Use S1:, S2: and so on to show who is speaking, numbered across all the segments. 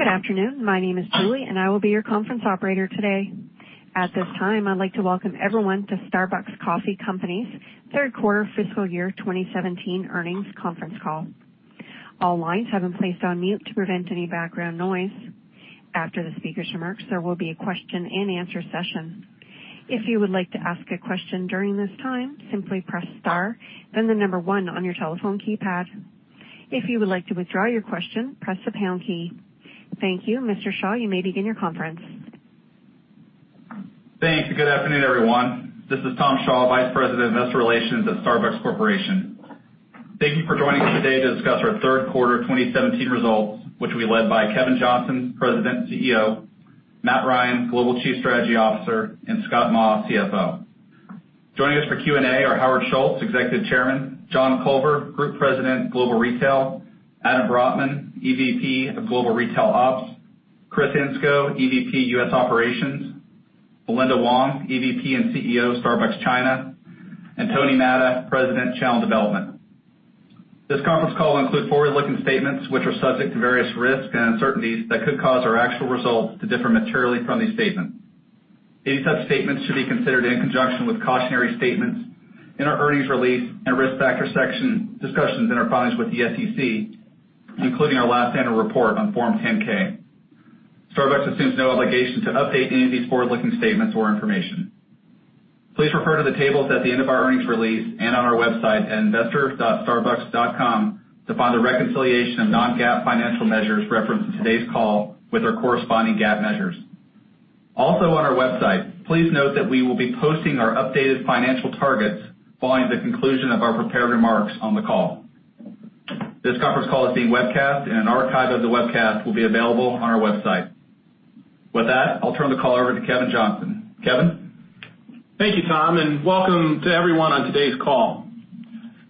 S1: Good afternoon. My name is Julie, and I will be your conference operator today. At this time, I'd like to welcome everyone to Starbucks Coffee Company's third quarter fiscal year 2017 earnings conference call. All lines have been placed on mute to prevent any background noise. After the speakers' remarks, there will be a question and answer session. If you would like to ask a question during this time, simply press star, then the number one on your telephone keypad. If you would like to withdraw your question, press the pound key. Thank you. Mr. Shaw, you may begin your conference.
S2: Thanks. Good afternoon, everyone. This is Tom Shaw, Vice President of Investor Relations at Starbucks Corporation. Thank you for joining us today to discuss our third quarter 2017 results, which will be led by Kevin Johnson, President and CEO, Matt Ryan, Global Chief Strategy Officer, and Scott Maw, CFO. Joining us for Q&A are Howard Schultz, Executive Chairman, John Culver, Group President, Global Retail, Adam Brotman, EVP of Global Retail Ops, Kris Engskov, EVP U.S. Operations, Belinda Wong, EVP and CEO, Starbucks China, and Tony Matta, President of Channel Development. This conference call includes forward-looking statements, which are subject to various risks and uncertainties that could cause our actual results to differ materially from these statements. Any such statements should be considered in conjunction with cautionary statements in our earnings release and risk factor section discussions in our filings with the SEC, including our last annual report on Form 10-K. Starbucks assumes no obligation to update any of these forward-looking statements or information. Please refer to the tables at the end of our earnings release and on our website at investor.starbucks.com to find the reconciliation of non-GAAP financial measures referenced in today's call with our corresponding GAAP measures. On our website, please note that we will be posting our updated financial targets following the conclusion of our prepared remarks on the call. This conference call is being webcast. An archive of the webcast will be available on our website. With that, I'll turn the call over to Kevin Johnson. Kevin?
S3: Thank you, Tom. Welcome to everyone on today's call.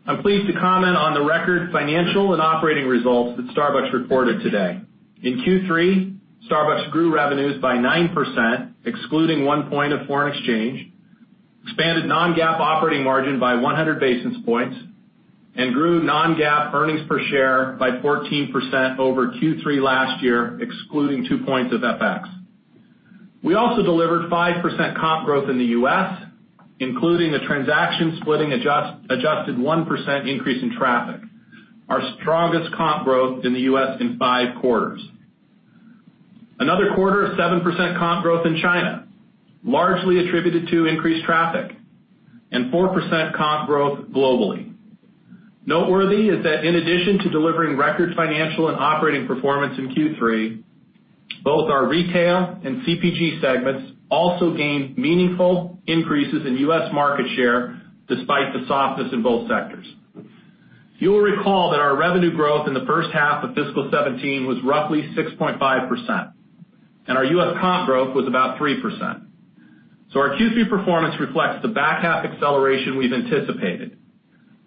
S3: I'm pleased to comment on the record financial and operating results that Starbucks reported today. In Q3, Starbucks grew revenues by 9%, excluding one point of foreign exchange, expanded non-GAAP operating margin by 100 basis points, and grew non-GAAP earnings per share by 14% over Q3 last year, excluding two points of FX. We also delivered 5% comp growth in the U.S., including the transaction-splitting adjusted 1% increase in traffic, our strongest comp growth in the U.S. in five quarters. Another quarter of 7% comp growth in China, largely attributed to increased traffic, and 4% comp growth globally. Noteworthy is that in addition to delivering record financial and operating performance in Q3, both our retail and CPG segments also gained meaningful increases in U.S. market share despite the softness in both sectors. You will recall that our revenue growth in the first half of fiscal 2017 was roughly 6.5%, and our U.S. comp growth was about 3%. Our Q3 performance reflects the back-half acceleration we've anticipated.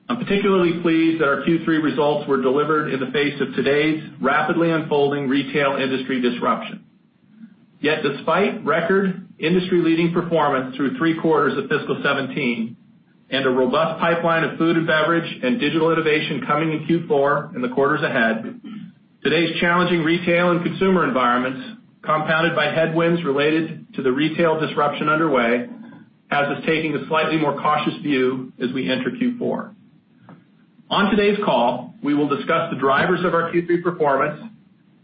S3: I'm particularly pleased that our Q3 results were delivered in the face of today's rapidly unfolding retail industry disruption. Despite record industry-leading performance through three quarters of fiscal 2017 and a robust pipeline of food and beverage and digital innovation coming in Q4 and the quarters ahead, today's challenging retail and consumer environments, compounded by headwinds related to the retail disruption underway, has us taking a slightly more cautious view as we enter Q4. On today's call, we will discuss the drivers of our Q3 performance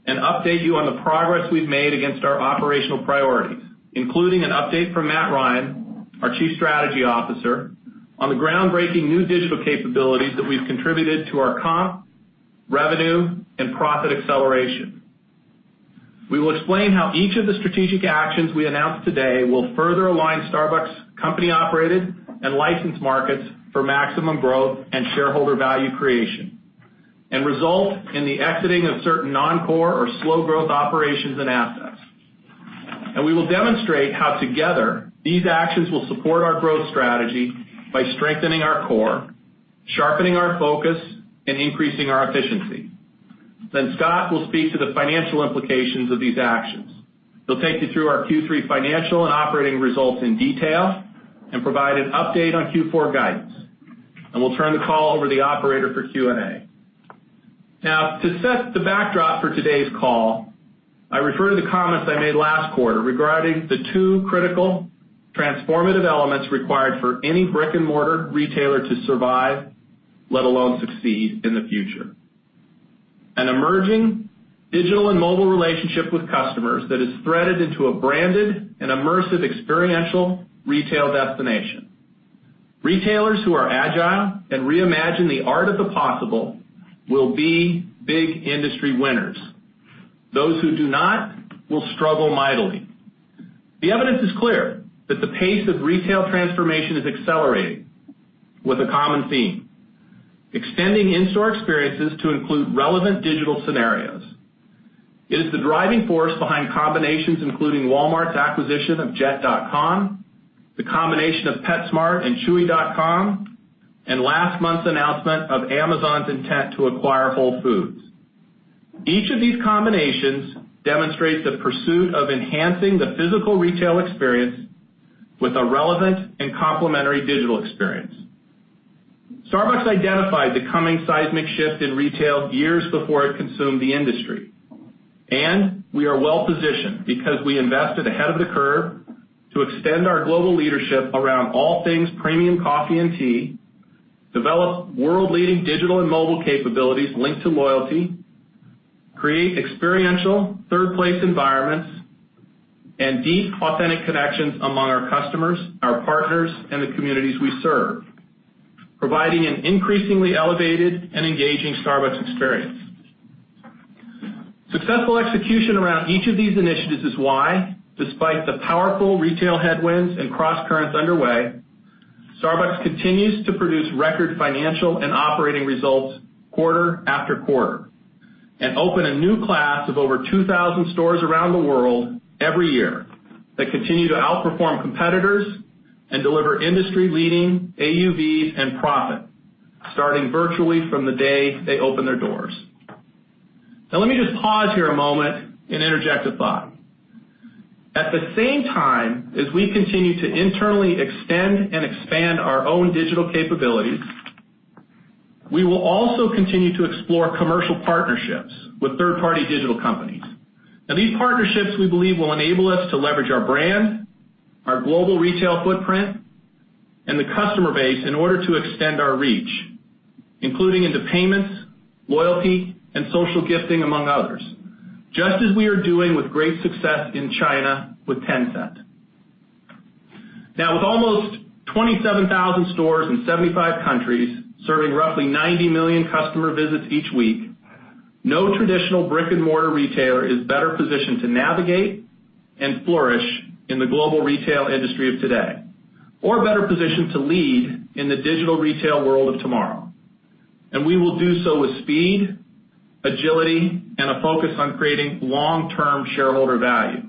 S3: and update you on the progress we've made against our operational priorities, including an update from Matt Ryan, our Chief Strategy Officer, on the groundbreaking new digital capabilities that we've contributed to our comp, revenue, and profit acceleration. We will explain how each of the strategic actions we announce today will further align Starbucks company-operated and licensed markets for maximum growth and shareholder value creation and result in the exiting of certain non-core or slow-growth operations and assets. We will demonstrate how together these actions will support our growth strategy by strengthening our core, sharpening our focus, and increasing our efficiency. Scott will speak to the financial implications of these actions. He'll take you through our Q3 financial and operating results in detail and provide an update on Q4 guidance. We'll turn the call over to the operator for Q&A. To set the backdrop for today's call, I refer to the comments I made last quarter regarding the two critical transformative elements required for any brick-and-mortar retailer to survive, let alone succeed in the future. An emerging digital and mobile relationship with customers that is threaded into a branded and immersive experiential retail destination. Retailers who are agile and reimagine the art of the possible will be big industry winners. Those who do not will struggle mightily. The evidence is clear that the pace of retail transformation is accelerating with a common theme, extending in-store experiences to include relevant digital scenarios. It is the driving force behind combinations including Walmart's acquisition of jet.com, the combination of PetSmart and chewy.com, and last month's announcement of Amazon's intent to acquire Whole Foods. Each of these combinations demonstrates the pursuit of enhancing the physical retail experience with a relevant and complementary digital experience. Starbucks identified the coming seismic shift in retail years before it consumed the industry. We are well-positioned because we invested ahead of the curve to extend our global leadership around all things premium coffee and tea, develop world-leading digital and mobile capabilities linked to loyalty, create experiential third-place environments, and deep, authentic connections among our customers, our partners, and the communities we serve, providing an increasingly elevated and engaging Starbucks experience. Successful execution around each of these initiatives is why, despite the powerful retail headwinds and crosscurrents underway, Starbucks continues to produce record financial and operating results quarter after quarter, and open a new class of over 2,000 stores around the world every year that continue to outperform competitors and deliver industry-leading AUVs and profit, starting virtually from the day they open their doors. Let me just pause here a moment and interject a thought. At the same time as we continue to internally extend and expand our own digital capabilities, we will also continue to explore commercial partnerships with third-party digital companies. These partnerships, we believe, will enable us to leverage our brand, our global retail footprint, and the customer base in order to extend our reach, including into payments, loyalty, and social gifting, among others, just as we are doing with great success in China with Tencent. With almost 27,000 stores in 75 countries, serving roughly 90 million customer visits each week, no traditional brick-and-mortar retailer is better positioned to navigate and flourish in the global retail industry of today, or better positioned to lead in the digital retail world of tomorrow. We will do so with speed, agility, and a focus on creating long-term shareholder value.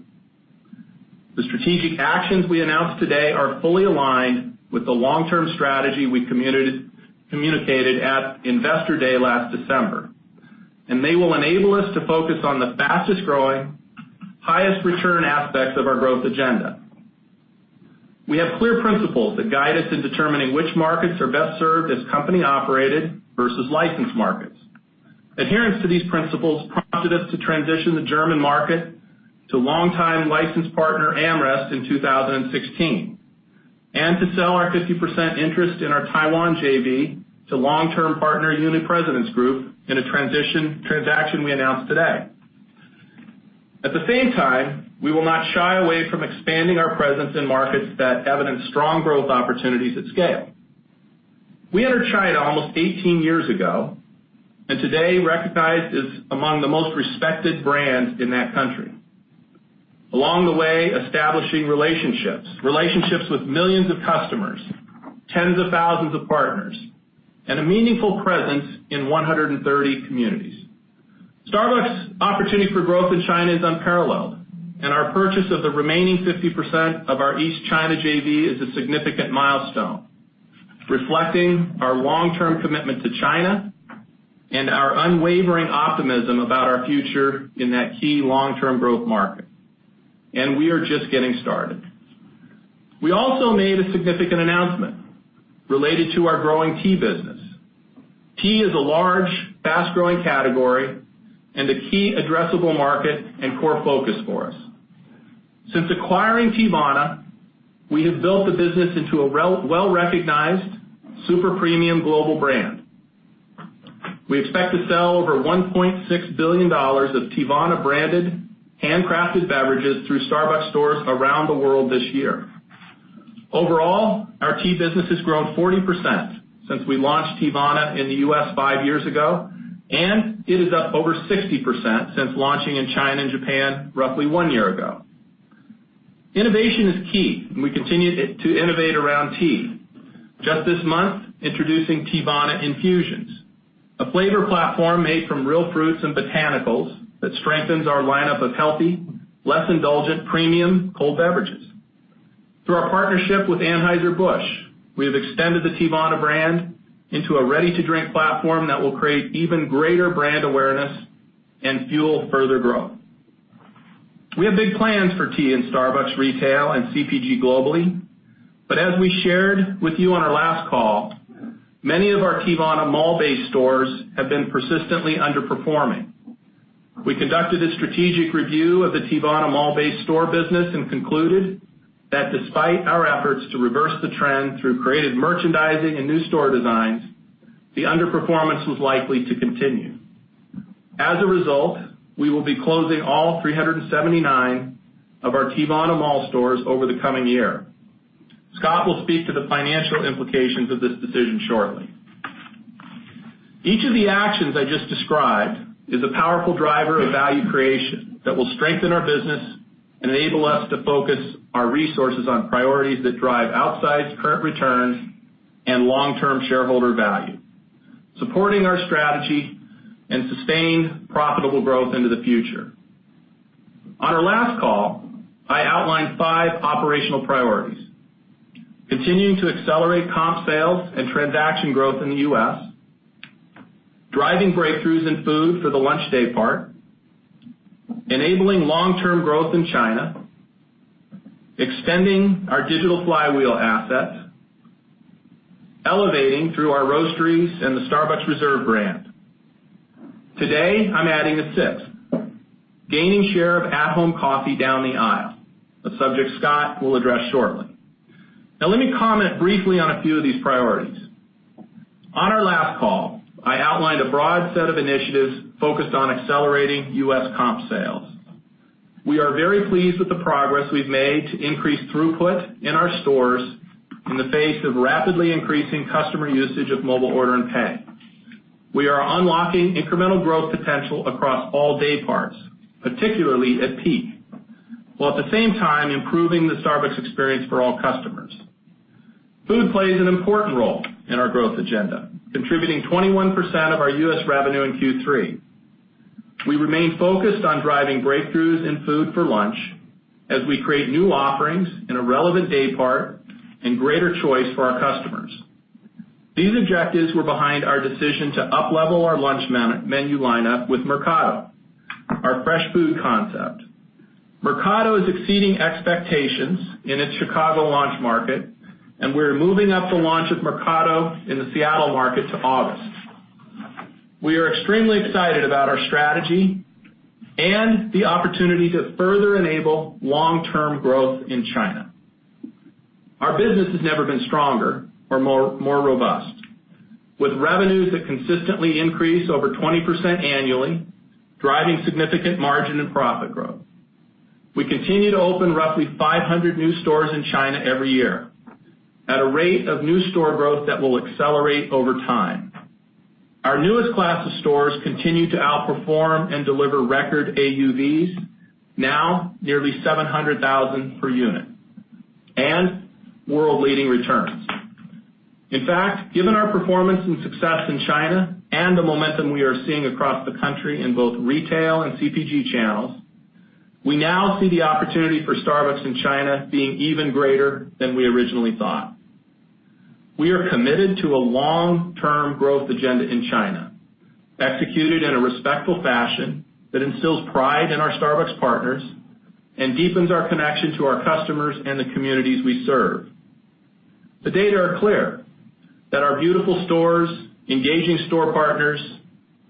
S3: The strategic actions we announced today are fully aligned with the long-term strategy we communicated at Investor Day last December, and they will enable us to focus on the fastest-growing, highest return aspects of our growth agenda. We have clear principles that guide us in determining which markets are best served as company-operated versus licensed markets. Adherence to these principles prompted us to transition the German market to longtime license partner, AmRest, in 2016, and to sell our 50% interest in our Taiwan JV to long-term partner, Uni-President Group, in a transaction we announced today. At the same time, we will not shy away from expanding our presence in markets that evidence strong growth opportunities at scale. We entered China almost 18 years ago, and today, recognized as among the most respected brands in that country. Along the way, establishing relationships with millions of customers, tens of thousands of partners, and a meaningful presence in 130 communities. Starbucks' opportunity for growth in China is unparalleled, and our purchase of the remaining 50% of our East China JV is a significant milestone, reflecting our long-term commitment to China and our unwavering optimism about our future in that key long-term growth market. We are just getting started. We also made a significant announcement related to our growing tea business. Tea is a large, fast-growing category and a key addressable market and core focus for us. Since acquiring Teavana, we have built the business into a well-recognized super premium global brand. We expect to sell over $1.6 billion of Teavana-branded, handcrafted beverages through Starbucks stores around the world this year. Overall, our tea business has grown 40% since we launched Teavana in the U.S. five years ago, and it is up over 60% since launching in China and Japan roughly one year ago. Innovation is key, and we continue to innovate around tea. Just this month, introducing Teavana Infusions, a flavor platform made from real fruits and botanicals that strengthens our lineup of healthy, less indulgent, premium cold beverages. Through our partnership with Anheuser-Busch, we have extended the Teavana brand into a ready-to-drink platform that will create even greater brand awareness and fuel further growth. We have big plans for tea in Starbucks retail and CPG globally. As we shared with you on our last call, many of our Teavana mall-based stores have been persistently underperforming. We conducted a strategic review of the Teavana mall-based store business and concluded that despite our efforts to reverse the trend through creative merchandising and new store designs, the underperformance was likely to continue. As a result, we will be closing all 379 of our Teavana mall stores over the coming year. Scott will speak to the financial implications of this decision shortly. Each of the actions I just described is a powerful driver of value creation that will strengthen our business and enable us to focus our resources on priorities that drive outside current returns and long-term shareholder value, supporting our strategy and sustained profitable growth into the future. On our last call, I outlined five operational priorities, continuing to accelerate comp sales and transaction growth in the U.S., driving breakthroughs in food for the lunch daypart, enabling long-term growth in China, extending our digital flywheel assets, elevating through our Roasteries and the Starbucks Reserve brand. Today, I am adding a sixth, gaining share of at-home coffee down the aisle, a subject Scott will address shortly. Let me comment briefly on a few of these priorities. On our last call, I outlined a broad set of initiatives focused on accelerating U.S. comp sales. We are very pleased with the progress we've made to increase throughput in our stores in the face of rapidly increasing customer usage of mobile order and pay. We are unlocking incremental growth potential across all day parts, particularly at peak, while at the same time improving the Starbucks experience for all customers. Food plays an important role in our growth agenda, contributing 21% of our U.S. revenue in Q3. We remain focused on driving breakthroughs in food for lunch as we create new offerings in a relevant day part and greater choice for our customers. These objectives were behind our decision to uplevel our lunch menu lineup with Mercato, our fresh food concept. Mercato is exceeding expectations in its Chicago launch market, and we're moving up the launch of Mercato in the Seattle market to August. We are extremely excited about our strategy and the opportunity to further enable long-term growth in China. Our business has never been stronger or more robust, with revenues that consistently increase over 20% annually, driving significant margin and profit growth. We continue to open roughly 500 new stores in China every year at a rate of new store growth that will accelerate over time. Our newest class of stores continue to outperform and deliver record AUVs, now nearly 700,000 per unit, and world-leading returns. In fact, given our performance and success in China and the momentum we are seeing across the country in both retail and CPG channels, we now see the opportunity for Starbucks in China being even greater than we originally thought. We are committed to a long-term growth agenda in China, executed in a respectful fashion that instills pride in our Starbucks partners and deepens our connection to our customers and the communities we serve. The data are clear that our beautiful stores, engaging store partners,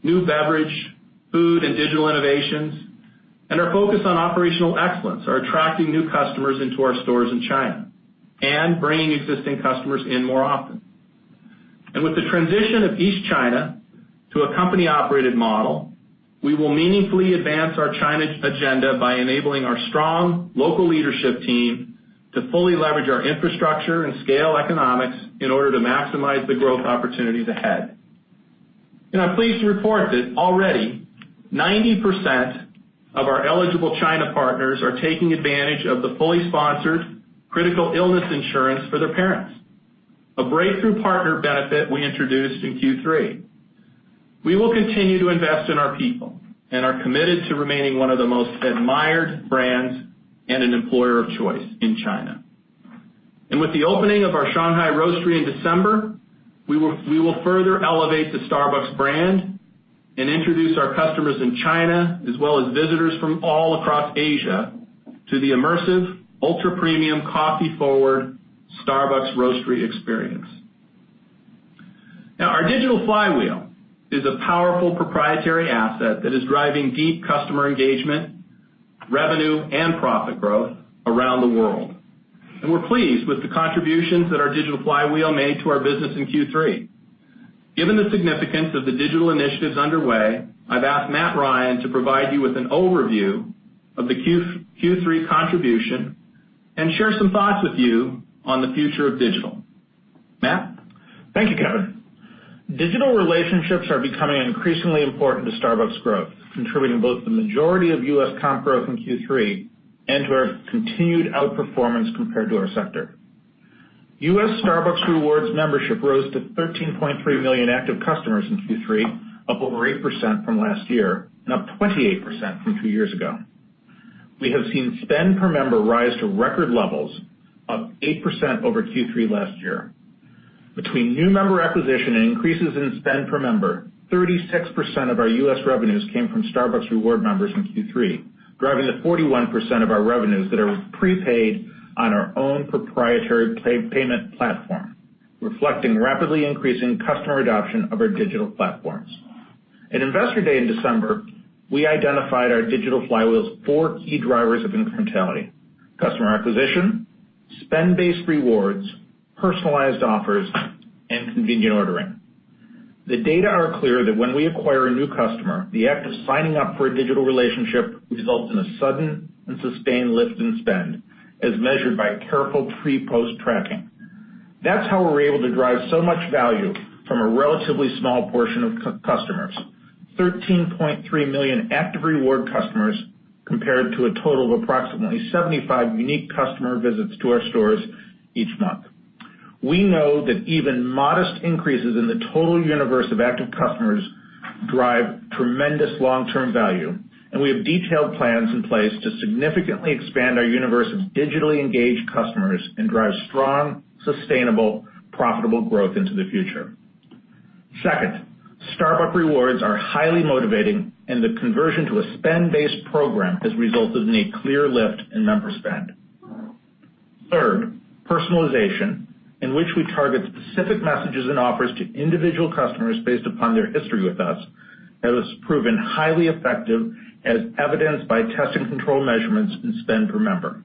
S3: new beverage, food, and digital innovations, our focus on operational excellence are attracting new customers into our stores in China and bringing existing customers in more often. With the transition of East China to a company-operated model, we will meaningfully advance our China agenda by enabling our strong local leadership team to fully leverage our infrastructure and scale economics in order to maximize the growth opportunities ahead. I'm pleased to report that already, 90% of our eligible China partners are taking advantage of the fully sponsored critical illness insurance for their parents, a breakthrough partner benefit we introduced in Q3. We will continue to invest in our people and are committed to remaining one of the most admired brands and an employer of choice in China. With the opening of our Shanghai Roastery in December, we will further elevate the Starbucks brand and introduce our customers in China, as well as visitors from all across Asia, to the immersive, ultra-premium, coffee-forward Starbucks Roastery experience. Our digital flywheel is a powerful proprietary asset that is driving deep customer engagement, revenue, and profit growth around the world. We're pleased with the contributions that our digital flywheel made to our business in Q3. Given the significance of the digital initiatives underway, I've asked Matt Ryan to provide you with an overview of the Q3 contribution and share some thoughts with you on the future of digital. Matt?
S4: Thank you, Kevin. Digital relationships are becoming increasingly important to Starbucks' growth, contributing both the majority of U.S. comp growth in Q3 and to our continued outperformance compared to our sector. U.S. Starbucks Rewards membership rose to 13.3 million active customers in Q3, up over 8% from last year and up 28% from two years ago. We have seen spend per member rise to record levels up 8% over Q3 last year. Between new member acquisition and increases in spend per member, 36% of our U.S. revenues came from Starbucks Rewards members in Q3, driving the 41% of our revenues that are prepaid on our own proprietary payment platform, reflecting rapidly increasing customer adoption of our digital platforms. At Investor Day in December, we identified our digital flywheel's four key drivers of incrementality, customer acquisition, spend-based rewards, personalized offers, and convenient ordering. The data are clear that when we acquire a new customer, the act of signing up for a digital relationship results in a sudden and sustained lift in spend, as measured by careful pre/post tracking. That's how we're able to drive so much value from a relatively small portion of customers, 13.3 million active reward customers, compared to a total of approximately 75 unique customer visits to our stores each month. We know that even modest increases in the total universe of active customers drive tremendous long-term value, we have detailed plans in place to significantly expand our universe of digitally engaged customers and drive strong, sustainable, profitable growth into the future. Second, Starbucks Rewards are highly motivating, the conversion to a spend-based program has resulted in a clear lift in member spend. Third, personalization, in which we target specific messages and offers to individual customers based upon their history with us, has proven highly effective, as evidenced by test and control measurements in spend per member.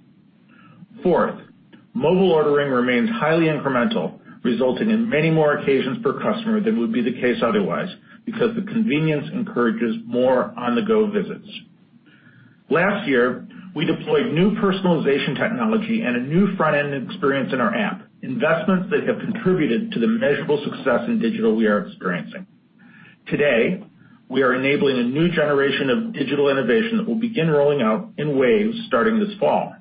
S4: Fourth, mobile ordering remains highly incremental, resulting in many more occasions per customer than would be the case otherwise because the convenience encourages more on-the-go visits. Last year, we deployed new personalization technology and a new front-end experience in our app, investments that have contributed to the measurable success in digital we are experiencing. Today, we are enabling a new generation of digital innovation that will begin rolling out in waves starting this fall.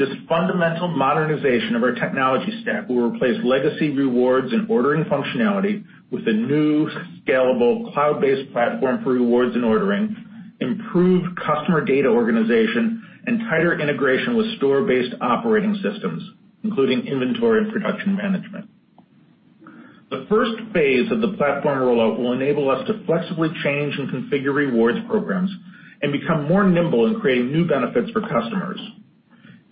S4: This fundamental modernization of our technology stack will replace legacy rewards and ordering functionality with a new scalable cloud-based platform for rewards and ordering, improved customer data organization, and tighter integration with store-based operating systems, including inventory and production management. The first phase of the platform rollout will enable us to flexibly change and configure rewards programs and become more nimble in creating new benefits for customers.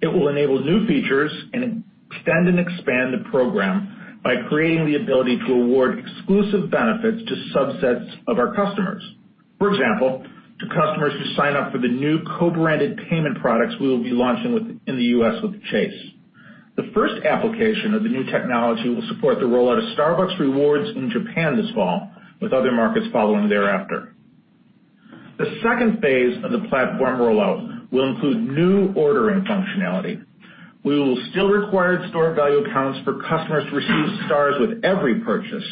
S4: It will enable new features and extend and expand the program by creating the ability to award exclusive benefits to subsets of our customers. For example, to customers who sign up for the new co-branded payment products we will be launching in the U.S. with Chase. The first application of the new technology will support the rollout of Starbucks Rewards in Japan this fall, with other markets following thereafter. The second phase of the platform rollout will include new ordering functionality. We will still require stored value accounts for customers to receive Stars with every purchase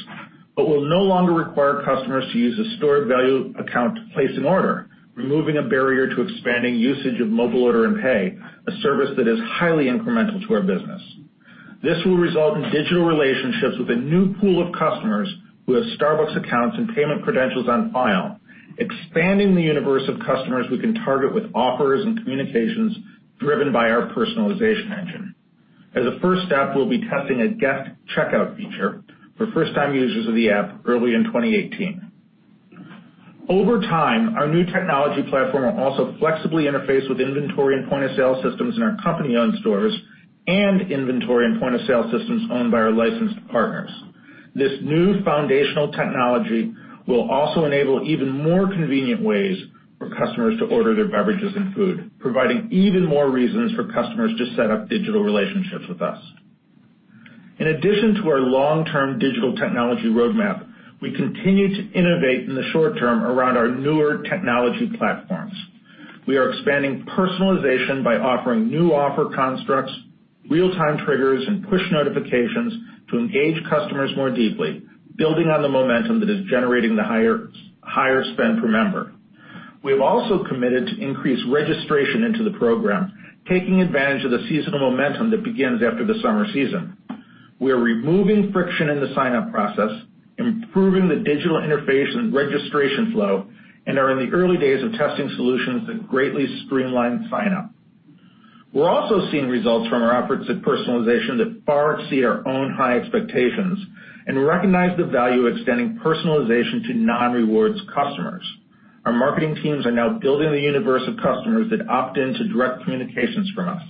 S4: but will no longer require customers to use a stored value account to place an order, removing a barrier to expanding usage of Mobile Order and Pay, a service that is highly incremental to our business. This will result in digital relationships with a new pool of customers who have Starbucks accounts and payment credentials on file, expanding the universe of customers we can target with offers and communications driven by our personalization engine. As a first step, we'll be testing a guest checkout feature for first-time users of the app early in 2018. Over time, our new technology platform will also flexibly interface with inventory and point-of-sale systems in our company-owned stores and inventory and point-of-sale systems owned by our licensed partners. This new foundational technology will also enable even more convenient ways for customers to order their beverages and food, providing even more reasons for customers to set up digital relationships with us. We continue to innovate in the short term around our newer technology platforms. We are expanding personalization by offering new offer constructs, real-time triggers, and push notifications to engage customers more deeply, building on the momentum that is generating the higher spend per member. We have also committed to increase registration into the program, taking advantage of the seasonal momentum that begins after the summer season. We are removing friction in the sign-up process, improving the digital interface and registration flow, and are in the early days of testing solutions that greatly streamline sign-up. We're also seeing results from our efforts at personalization that far exceed our own high expectations and recognize the value of extending personalization to non-rewards customers. Our marketing teams are now building the universe of customers that opt in to direct communications from us.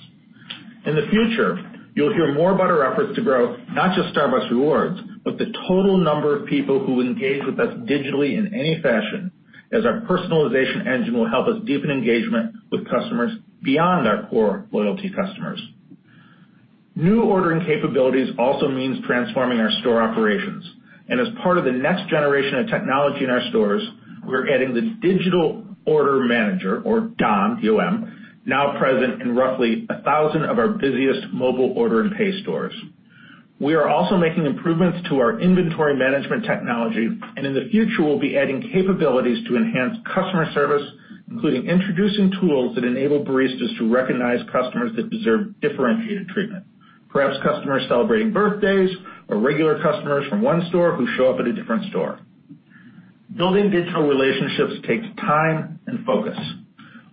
S4: In the future, you'll hear more about our efforts to grow not just Starbucks Rewards, but the total number of people who engage with us digitally in any fashion, as our personalization engine will help us deepen engagement with customers beyond our core loyalty customers. New ordering capabilities also means transforming our store operations, and as part of the next generation of technology in our stores, we're adding the Digital Order Manager or DOM, now present in roughly 1,000 of our busiest mobile order and pay stores. We are also making improvements to our inventory management technology. In the future, we'll be adding capabilities to enhance customer service, including introducing tools that enable baristas to recognize customers that deserve differentiated treatment. Perhaps customers celebrating birthdays or regular customers from one store who show up at a different store. Building digital relationships takes time and focus.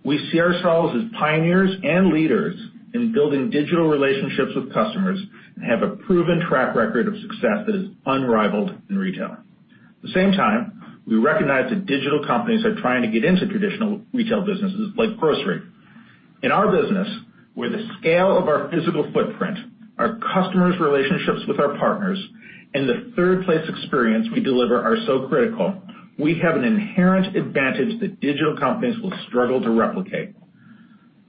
S4: We see ourselves as pioneers and leaders in building digital relationships with customers and have a proven track record of success that is unrivaled in retail. At the same time, we recognize that digital companies are trying to get into traditional retail businesses like grocery. In our business, where the scale of our physical footprint, our customers' relationships with our partners, and the third-place experience we deliver are so critical, we have an inherent advantage that digital companies will struggle to replicate.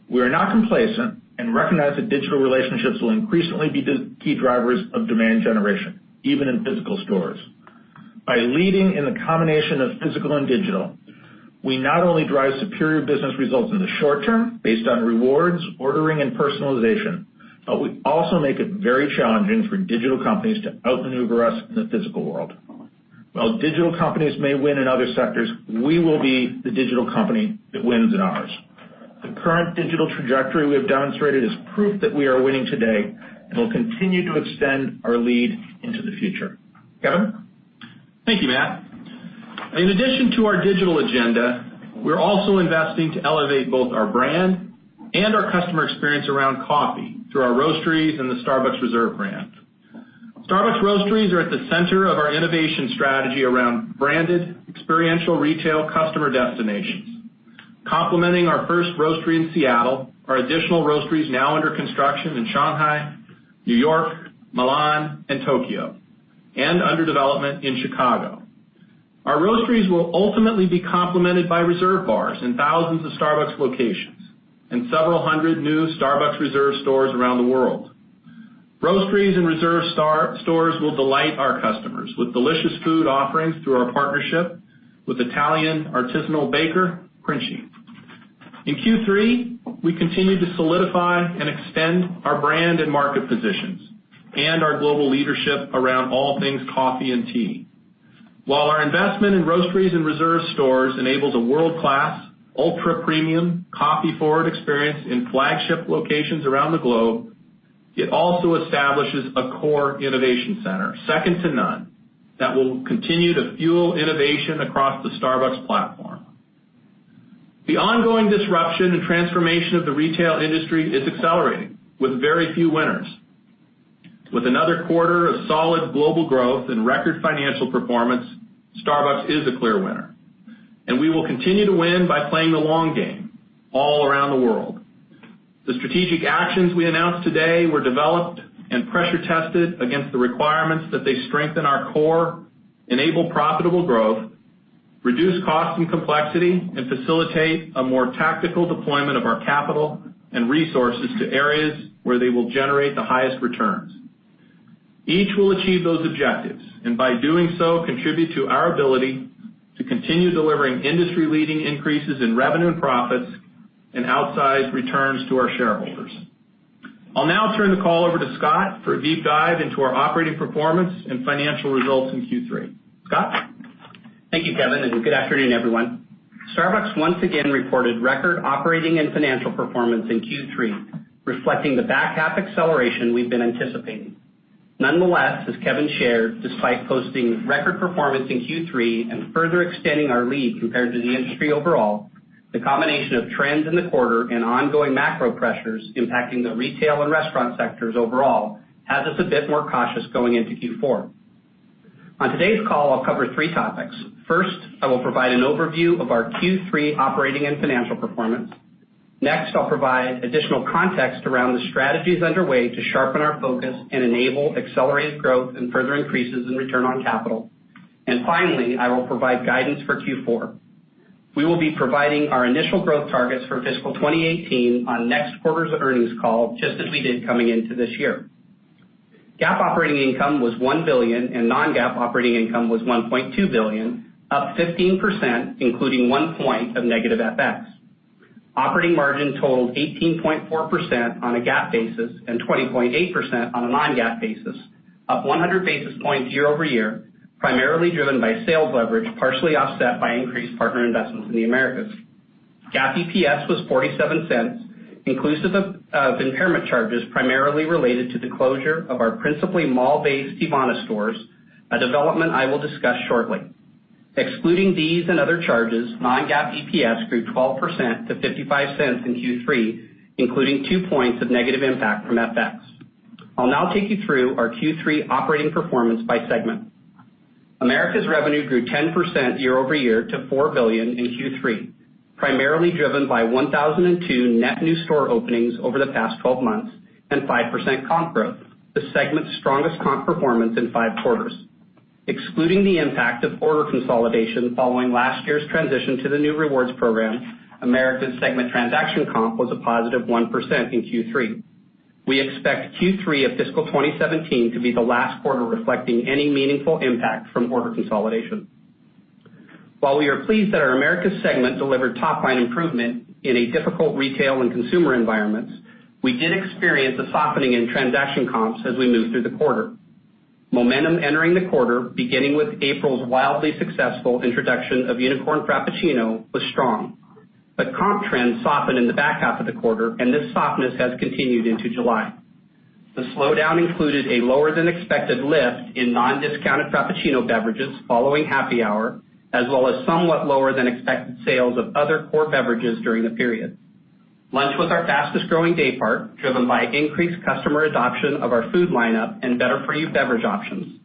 S4: We are not complacent and recognize that digital relationships will increasingly be key drivers of demand generation, even in physical stores. By leading in the combination of physical and digital, we not only drive superior business results in the short term based on rewards, ordering, and personalization, but we also make it very challenging for digital companies to outmaneuver us in the physical world. While digital companies may win in other sectors, we will be the digital company that wins in ours. The current digital trajectory we have demonstrated is proof that we are winning today and will continue to extend our lead into the future. Kevin?
S3: Thank you, Matt. In addition to our digital agenda, we're also investing to elevate both our brand and our customer experience around coffee through our Roasteries and the Starbucks Reserve brand. Starbucks Roasteries are at the center of our innovation strategy around branded experiential retail customer destinations. Complementing our first Roastery in Seattle, are additional Roasteries now under construction in Shanghai, New York, Milan, and Tokyo, and under development in Chicago. Our Roasteries will ultimately be complemented by Reserve bars in thousands of Starbucks locations and several hundred new Starbucks Reserve stores around the world. Roasteries and Reserve stores will delight our customers with delicious food offerings through our partnership with Italian artisanal baker, Princi. In Q3, we continued to solidify and extend our brand and market positions and our global leadership around all things coffee and tea. While our investment in Roasteries and Reserve stores enables a world-class, ultra-premium, coffee-forward experience in flagship locations around the globe, it also establishes a core innovation center, second to none, that will continue to fuel innovation across the Starbucks platform. The ongoing disruption and transformation of the retail industry is accelerating with very few winners. With another quarter of solid global growth and record financial performance, Starbucks is a clear winner, and we will continue to win by playing the long game all around the world. The strategic actions we announced today were developed and pressure tested against the requirements that they strengthen our core, enable profitable growth, reduce cost and complexity, facilitate a more tactical deployment of our capital and resources to areas where they will generate the highest returns. Each will achieve those objectives. By doing so, contribute to our ability to continue delivering industry-leading increases in revenue and profits and outsized returns to our shareholders. I'll now turn the call over to Scott for a deep dive into our operating performance and financial results in Q3. Scott?
S5: Thank you, Kevin. Good afternoon, everyone. Starbucks once again reported record operating and financial performance in Q3, reflecting the back-half acceleration we've been anticipating. Nonetheless, as Kevin shared, despite posting record performance in Q3 and further extending our lead compared to the industry overall, the combination of trends in the quarter and ongoing macro pressures impacting the retail and restaurant sectors overall has us a bit more cautious going into Q4. On today's call, I'll cover three topics. First, I will provide an overview of our Q3 operating and financial performance. Next, I'll provide additional context around the strategies underway to sharpen our focus and enable accelerated growth and further increases in return on capital. Finally, I will provide guidance for Q4. We will be providing our initial growth targets for fiscal 2018 on next quarter's earnings call, just as we did coming into this year. GAAP operating income was $1 billion. Non-GAAP operating income was $1.2 billion, up 15%, including one point of negative FX. Operating margin totaled 18.4% on a GAAP basis and 20.8% on a non-GAAP basis, up 100 basis points year-over-year, primarily driven by sales leverage, partially offset by increased partner investments in the Americas. GAAP EPS was $0.47, inclusive of impairment charges primarily related to the closure of our principally mall-based Teavana stores, a development I will discuss shortly. Excluding these and other charges, non-GAAP EPS grew 12% to $0.55 in Q3, including two points of negative impact from FX. I'll now take you through our Q3 operating performance by segment. Americas revenue grew 10% year-over-year to $4 billion in Q3, primarily driven by 1,002 net new store openings over the past 12 months and 5% comp growth, the segment's strongest comp performance in five quarters. Excluding the impact of order consolidation following last year's transition to the new Starbucks Rewards program, Americas segment transaction comp was a positive 1% in Q3. We expect Q3 of fiscal 2017 to be the last quarter reflecting any meaningful impact from order consolidation. While we are pleased that our Americas segment delivered top-line improvement in a difficult retail and consumer environment, we did experience a softening in transaction comps as we moved through the quarter. Momentum entering the quarter, beginning with April's wildly successful introduction of Unicorn Frappuccino, was strong. Comp trends softened in the back half of the quarter, and this softness has continued into July. The slowdown included a lower-than-expected lift in non-discounted Frappuccino beverages following happy hour, as well as somewhat lower than expected sales of other core beverages during the period. Lunch was our fastest-growing daypart, driven by increased customer adoption of our food lineup and better-for-you beverage options.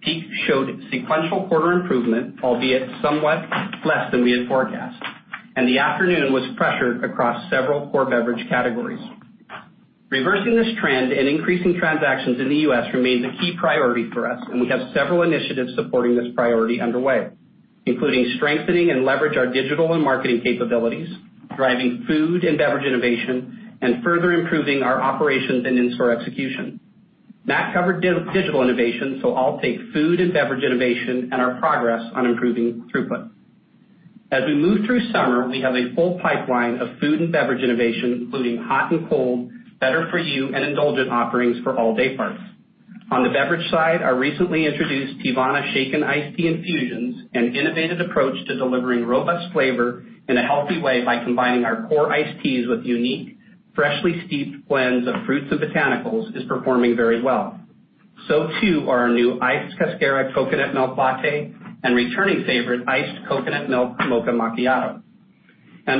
S5: Peak showed sequential quarter improvement, albeit somewhat less than we had forecast, and the afternoon was pressured across several core beverage categories. Reversing this trend and increasing transactions in the U.S. remains a key priority for us, and we have several initiatives supporting this priority underway, including strengthening and leverage our digital and marketing capabilities, driving food and beverage innovation, and further improving our operations and in-store execution. Matt covered digital innovation. I'll take food and beverage innovation and our progress on improving throughput. As we move through summer, we have a full pipeline of food and beverage innovation, including hot and cold, better for you, and indulgent offerings for all dayparts. On the beverage side, our recently introduced Teavana Shaken Iced Tea Infusions, an innovative approach to delivering robust flavor in a healthy way by combining our core iced teas with unique, freshly steeped blends of fruits and botanicals, is performing very well. Too are our new Iced Cascara Coconutmilk Latte and returning favorite Iced Coconut Milk Mocha Macchiato.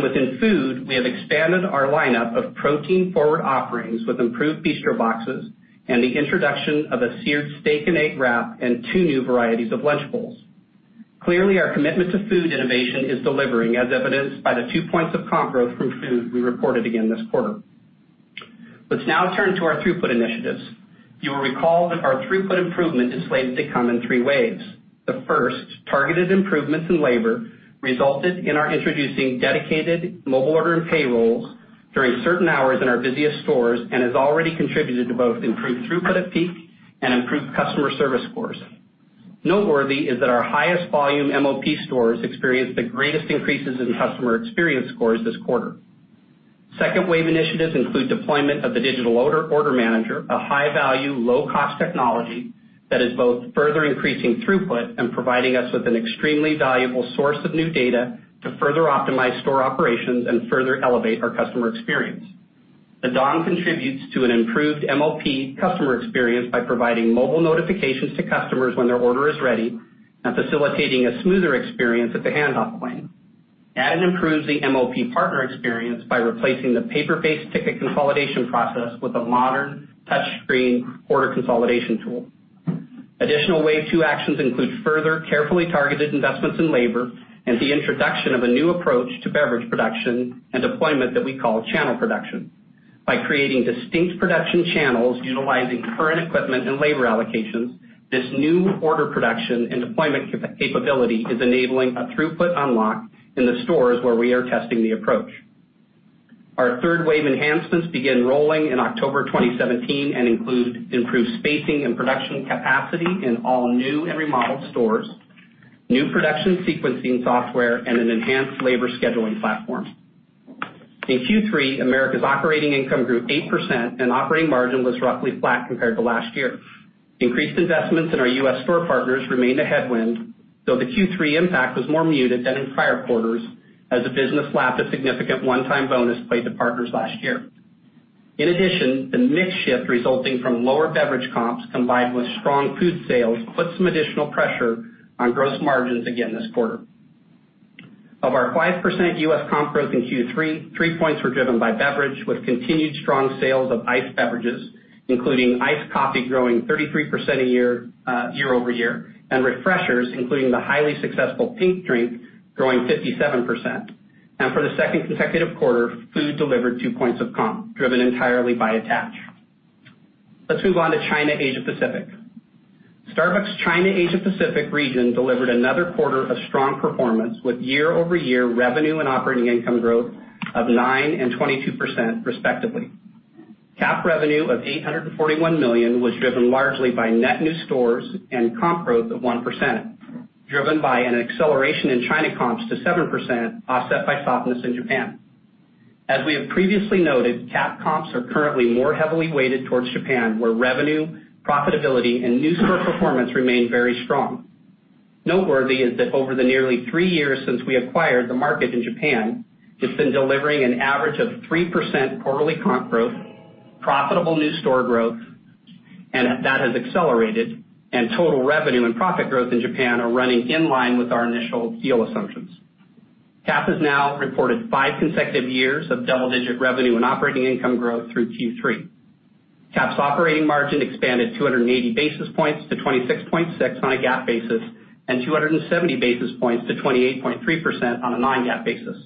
S5: Within food, we have expanded our lineup of protein-forward offerings with improved bistro boxes and the introduction of a seared steak and egg wrap, and two new varieties of lunch bowls. Clearly, our commitment to food innovation is delivering, as evidenced by the two points of comp growth from food we reported again this quarter. Let's now turn to our throughput initiatives. You will recall that our throughput improvement is slated to come in 3 waves. The first, targeted improvements in labor, resulted in our introducing dedicated Mobile Order & Pay roles during certain hours in our busiest stores, and has already contributed to both improved throughput at peak and improved customer service scores. Noteworthy is that our highest volume MOP stores experienced the greatest increases in customer experience scores this quarter. Second-wave initiatives include deployment of the Digital Order Manager, a high-value, low-cost technology that is both further increasing throughput and providing us with an extremely valuable source of new data to further optimize store operations and further elevate our customer experience. The DOM contributes to an improved MOP customer experience by providing mobile notifications to customers when their order is ready and facilitating a smoother experience at the handoff point. It improves the MOP partner experience by replacing the paper-based ticket consolidation process with a modern touchscreen order consolidation tool. Additional wave 2 actions include further carefully targeted investments in labor and the introduction of a new approach to beverage production and deployment that we call channel production. By creating distinct production channels utilizing current equipment and labor allocations, this new order production and deployment capability is enabling a throughput unlock in the stores where we are testing the approach. Our third-wave enhancements begin rolling in October 2017 and include improved spacing and production capacity in all new and remodeled stores, new production sequencing software, and an enhanced labor scheduling platform. In Q3, Americas operating income grew 8% and operating margin was roughly flat compared to last year. Increased investments in our U.S. store partners remained a headwind, though the Q3 impact was more muted than in prior quarters as the business lapped a significant one-time bonus paid to partners last year. The mix shift resulting from lower beverage comps combined with strong food sales put some additional pressure on gross margins again this quarter. Of our 5% U.S. comp growth in Q3, 3 points were driven by beverage with continued strong sales of iced beverages, including iced coffee growing 33% year-over-year, and refreshers, including the highly successful Pink Drink, growing 57%. For the second consecutive quarter, food delivered 2 points of comp, driven entirely by attach. Let's move on to China Asia Pacific. Starbucks China Asia Pacific region delivered another quarter of strong performance with year-over-year revenue and operating income growth of 9% and 22% respectively. CAP revenue of $841 million was driven largely by net new stores and comp growth of 1%, driven by an acceleration in China comps to 7%, offset by softness in Japan. We have previously noted, CAP comps are currently more heavily weighted towards Japan, where revenue, profitability, and new store performance remain very strong. Noteworthy is that over the nearly 3 years since we acquired the market in Japan, it's been delivering an average of 3% quarterly comp growth, profitable new store growth, and that has accelerated, and total revenue and profit growth in Japan are running in line with our initial deal assumptions. CAP has now reported 5 consecutive years of double-digit revenue and operating income growth through Q3. CAP's operating margin expanded 280 basis points to 26.6 on a GAAP basis, and 270 basis points to 28.3% on a non-GAAP basis.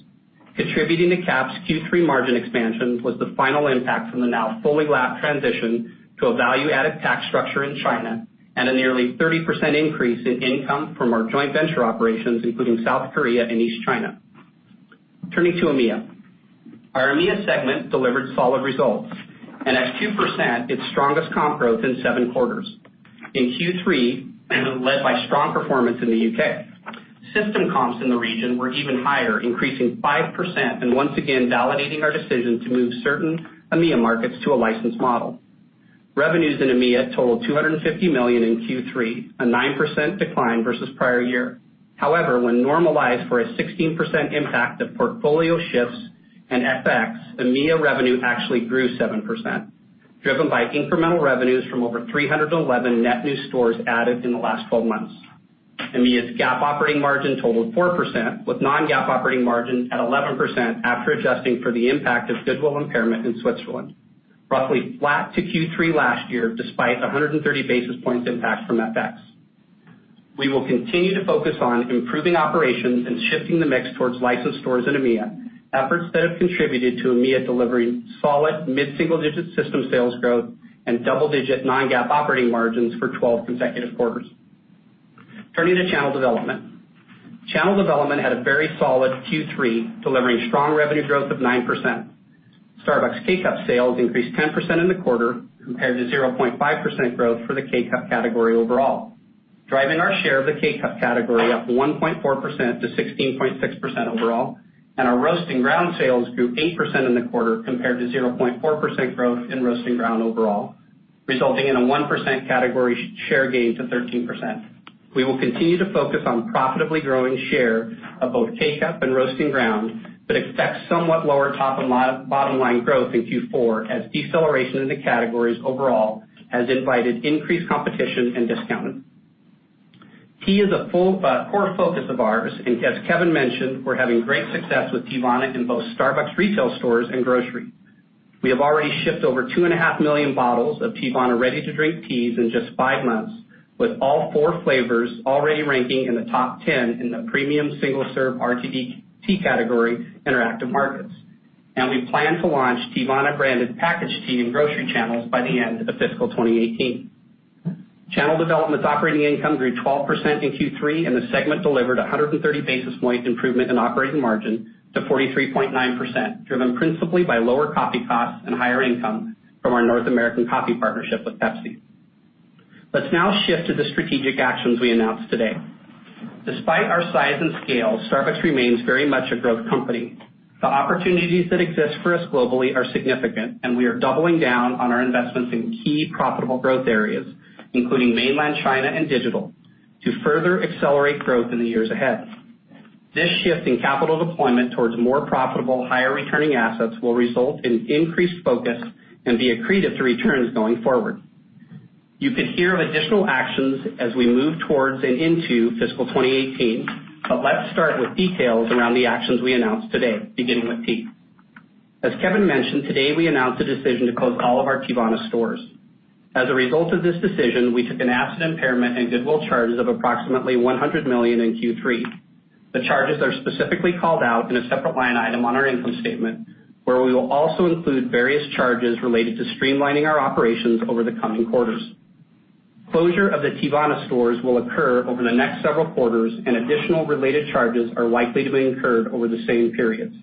S5: Contributing to CAP's Q3 margin expansion was the final impact from the now fully lapped transition to a value-added tax structure in China, and a nearly 30% increase in income from our joint venture operations, including South Korea and East China. Turning to EMEA. Our EMEA segment delivered solid results, and at 2%, its strongest comp growth in seven quarters. In Q3, led by strong performance in the U.K. System comps in the region were even higher, increasing 5% and once again validating our decision to move certain EMEA markets to a licensed model. Revenues in EMEA totaled $250 million in Q3, a 9% decline versus prior year. When normalized for a 16% impact of portfolio shifts and FX, EMEA revenue actually grew 7%, driven by incremental revenues from over 311 net new stores added in the last 12 months. EMEA's GAAP operating margin totaled 4%, with non-GAAP operating margin at 11% after adjusting for the impact of goodwill impairment in Switzerland. Roughly flat to Q3 last year, despite 130 basis points impact from FX. We will continue to focus on improving operations and shifting the mix towards licensed stores in EMEA. Efforts that have contributed to EMEA delivering solid mid-single-digit system sales growth and double-digit non-GAAP operating margins for 12 consecutive quarters. Turning to channel development. Channel development had a very solid Q3, delivering strong revenue growth of 9%. Our Starbucks K-Cup sales increased 10% in the quarter compared to 0.5% growth for the K-Cup category overall, driving our share of the K-Cup category up 1.4% to 16.6% overall. Our roast and ground sales grew 8% in the quarter compared to 0.4% growth in roast and ground overall, resulting in a 1% category share gain to 13%. We will continue to focus on profitably growing share of both K-Cup and roast and ground, but expect somewhat lower top and bottom line growth in Q4 as deceleration in the categories overall has invited increased competition and discounting. Tea is a core focus of ours, as Kevin mentioned, we are having great success with Teavana in both Starbucks retail stores and grocery. We have already shipped over two and a half million bottles of Teavana ready-to-drink teas in just five months, with all four flavors already ranking in the top 10 in the premium single-serve RTD tea category in our active markets. We plan to launch Teavana-branded packaged tea in grocery channels by the end of fiscal 2018. Channel development operating income grew 12% in Q3, the segment delivered 130 basis point improvement in operating margin to 43.9%, driven principally by lower coffee costs and higher income from our North American coffee partnership with Pepsi. Let's now shift to the strategic actions we announced today. Despite our size and scale, Starbucks remains very much a growth company. The opportunities that exist for us globally are significant, we are doubling down on our investments in key profitable growth areas, including Mainland China and digital, to further accelerate growth in the years ahead. This shift in capital deployment towards more profitable, higher returning assets will result in increased focus and be accretive to returns going forward. You can hear of additional actions as we move towards and into fiscal 2018, let's start with details around the actions we announced today, beginning with tea. As Kevin mentioned, today, we announced the decision to close all of our Teavana stores. As a result of this decision, we took an asset impairment and goodwill charges of approximately $100 million in Q3. The charges are specifically called out in a separate line item on our income statement, where we will also include various charges related to streamlining our operations over the coming quarters. Closure of the Teavana stores will occur over the next several quarters, and additional related charges are likely to be incurred over the same periods.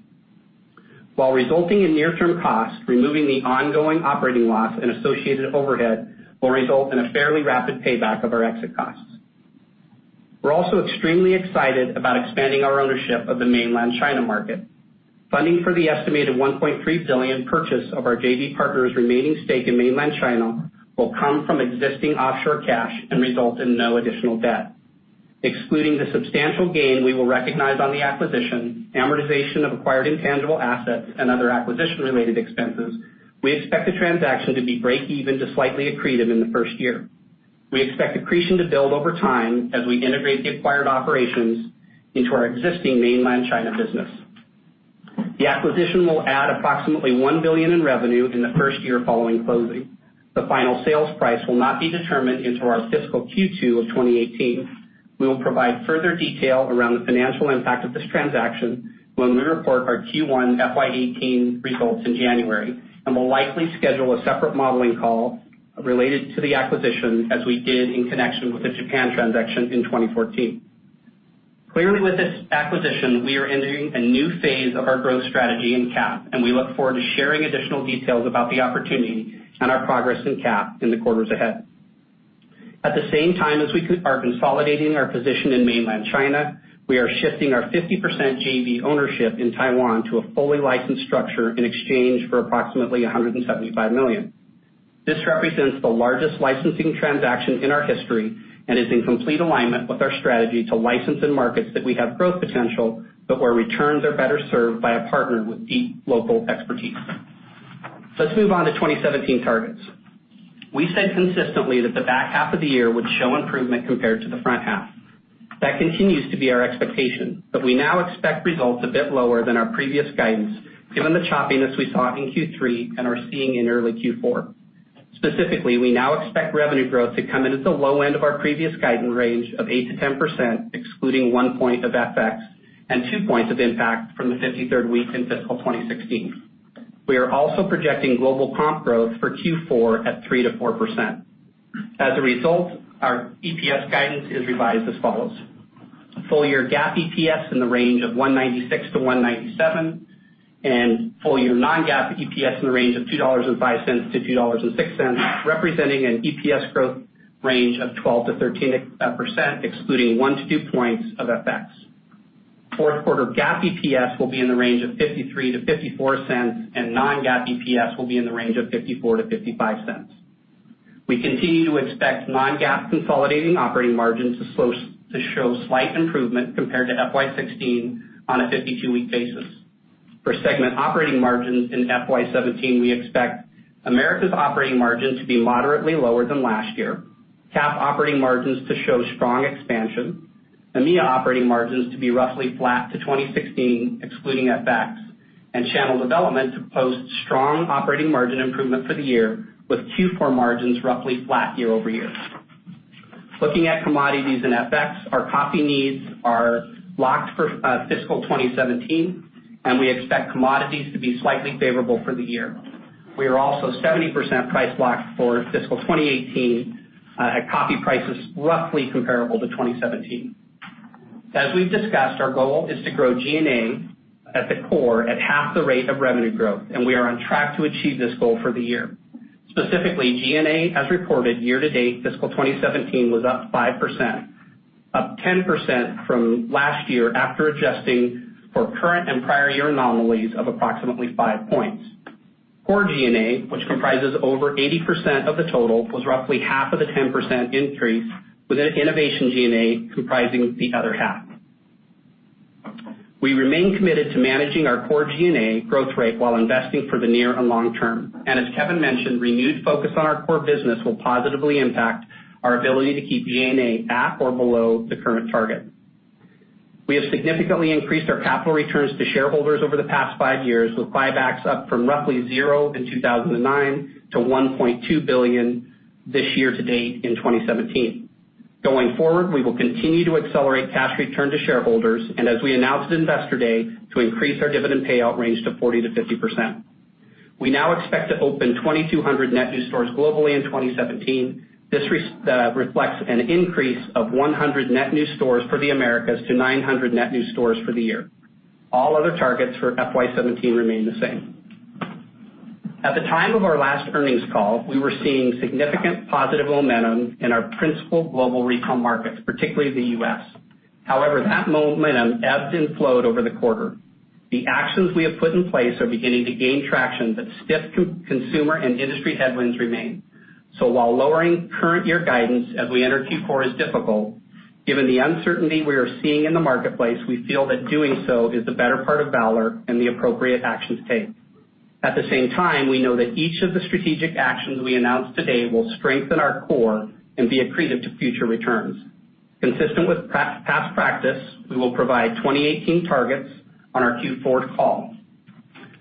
S5: While resulting in near-term costs, removing the ongoing operating loss and associated overhead will result in a fairly rapid payback of our exit costs. We are also extremely excited about expanding our ownership of the Mainland China market. Funding for the estimated $1.3 billion purchase of our JV partner's remaining stake in Mainland China will come from existing offshore cash and result in no additional debt. Excluding the substantial gain we will recognize on the acquisition, amortization of acquired intangible assets, and other acquisition-related expenses, we expect the transaction to be break even to slightly accretive in the first year. We expect accretion to build over time as we integrate the acquired operations into our existing Mainland China business. The acquisition will add approximately $1 billion in revenue in the first year following closing. The final sales price will not be determined until our fiscal Q2 of 2018. We will provide further detail around the financial impact of this transaction when we report our Q1 FY 2018 results in January, and we will likely schedule a separate modeling call related to the acquisition as we did in connection with the Japan transaction in 2014. Clearly, with this acquisition, we are entering a new phase of our growth strategy in CAP, and we look forward to sharing additional details about the opportunity and our progress in CAP in the quarters ahead. At the same time as we are consolidating our position in Mainland China, we are shifting our 50% JV ownership in Taiwan to a fully licensed structure in exchange for approximately $175 million. This represents the largest licensing transaction in our history and is in complete alignment with our strategy to license in markets that we have growth potential, but where returns are better served by a partner with deep local expertise. Let us move on to 2017 targets. We said consistently that the back half of the year would show improvement compared to the front half. That continues to be our expectation, but we now expect results a bit lower than our previous guidance, given the choppiness we saw in Q3 and are seeing in early Q4. Specifically, we now expect revenue growth to come in at the low end of our previous guidance range of 8%-10%, excluding one point of FX and two points of impact from the 53rd week in fiscal 2016. We are also projecting global comp growth for Q4 at 3%-4%. As a result, our EPS guidance is revised as follows. Full-year GAAP EPS in the range of $1.96-$1.97, and full-year non-GAAP EPS in the range of $2.05-$2.06, representing an EPS growth range of 12%-13%, excluding one to two points of FX. Fourth quarter GAAP EPS will be in the range of $0.53-$0.54, and non-GAAP EPS will be in the range of $0.54-$0.55. We continue to expect non-GAAP consolidating operating margins to show slight improvement compared to FY 2016 on a 52-week basis. For segment operating margins in FY 2017, we expect Americas operating margins to be moderately lower than last year, CAP operating margins to show strong expansion, EMEA operating margins to be roughly flat to 2016, excluding FX, and channel development to post strong operating margin improvement for the year, with Q4 margins roughly flat year-over-year. Looking at commodities and FX, our coffee needs are locked for fiscal 2017, and we expect commodities to be slightly favorable for the year. We are also 70% price locked for fiscal 2018 at coffee prices roughly comparable to 2017. As we've discussed, our goal is to grow G&A at the core at half the rate of revenue growth, and we are on track to achieve this goal for the year. Specifically, G&A, as reported year-to-date, fiscal 2017 was up 5%, up 10% from last year after adjusting for current and prior year anomalies of approximately five points. Core G&A, which comprises over 80% of the total, was roughly half of the 10% increase, with innovation G&A comprising the other half. We remain committed to managing our core G&A growth rate while investing for the near and long term. As Kevin mentioned, renewed focus on our core business will positively impact our ability to keep G&A at or below the current target. We have significantly increased our capital returns to shareholders over the past five years, with buybacks up from roughly zero in 2009 to $1.2 billion this year-to-date in 2017. Going forward, we will continue to accelerate cash return to shareholders and, as we announced at Investor Day, to increase our dividend payout range to 40%-50%. We now expect to open 2,200 net new stores globally in 2017. This reflects an increase of 100 net new stores for the Americas to 900 net new stores for the year. All other targets for FY 2017 remain the same. At the time of our last earnings call, we were seeing significant positive momentum in our principal global retail markets, particularly the U.S. That momentum ebbed and flowed over the quarter. The actions we have put in place are beginning to gain traction, stiff consumer and industry headwinds remain. While lowering current year guidance as we enter Q4 is difficult, given the uncertainty we are seeing in the marketplace, we feel that doing so is the better part of valor and the appropriate action to take. At the same time, we know that each of the strategic actions we announce today will strengthen our core and be accretive to future returns. Consistent with past practice, we will provide 2018 targets on our Q4 call.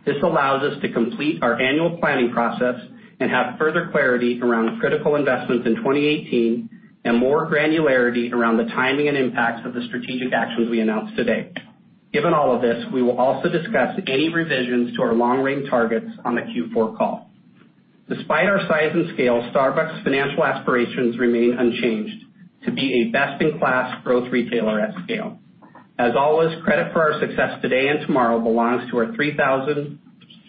S5: This allows us to complete our annual planning process and have further clarity around critical investments in 2018 and more granularity around the timing and impacts of the strategic actions we announce today. Given all of this, we will also discuss any revisions to our long-range targets on the Q4 call. Despite our size and scale, Starbucks' financial aspirations remain unchanged, to be a best-in-class growth retailer at scale. As always, credit for our success today and tomorrow belongs to our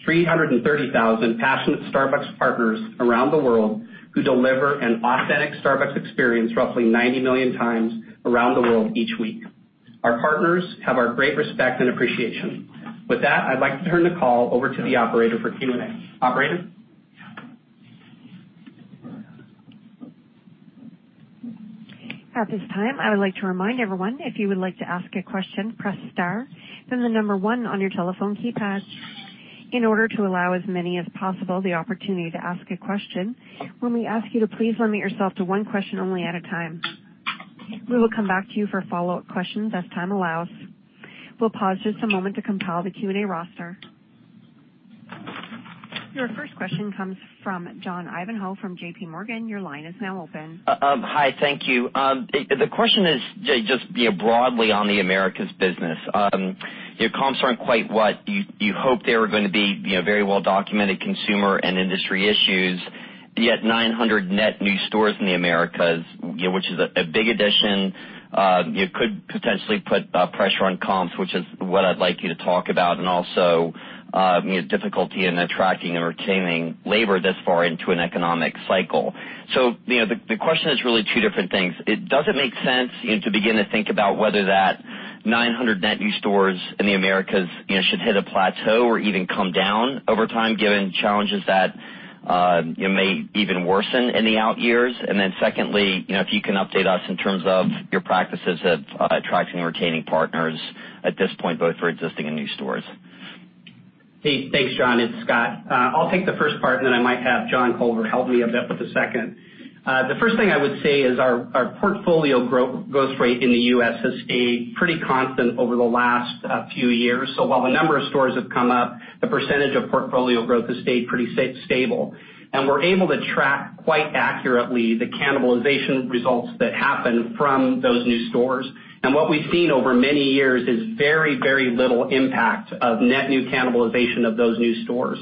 S5: 330,000 passionate Starbucks partners around the world who deliver an authentic Starbucks experience roughly 90 million times around the world each week. Our partners have our great respect and appreciation. With that, I'd like to turn the call over to the operator for Q&A. Operator?
S1: At this time, I would like to remind everyone, if you would like to ask a question, press star, then 1 on your telephone keypad. In order to allow as many as possible the opportunity to ask a question, we ask you to please limit yourself to one question only at a time. We will come back to you for follow-up questions as time allows. We'll pause just a moment to compile the Q&A roster. Your first question comes from John Ivankoe from JPMorgan. Your line is now open.
S6: Hi, thank you. The question is just broadly on the Americas business. Your comps aren't quite what you hoped they were going to be, very well documented consumer and industry issues, yet 900 net new stores in the Americas, which is a big addition. It could potentially put pressure on comps, which is what I'd like you to talk about, and also difficulty in attracting and retaining labor this far into an economic cycle. The question is really two different things. Does it make sense to begin to think about whether that 900 net new stores in the Americas should hit a plateau or even come down over time, given challenges that may even worsen in the out years? Secondly, if you can update us in terms of your practices of attracting and retaining partners at this point, both for existing and new stores.
S5: Hey, thanks, John. It's Scott. I'll take the first part, then I might have John Culver help me a bit with the second. The first thing I would say is our portfolio growth rate in the U.S. has stayed pretty constant over the last few years. While the number of stores have come up, the percentage of portfolio growth has stayed pretty stable, and we're able to track quite accurately the cannibalization results that happen from those new stores. What we've seen over many years is very little impact of net new cannibalization of those new stores.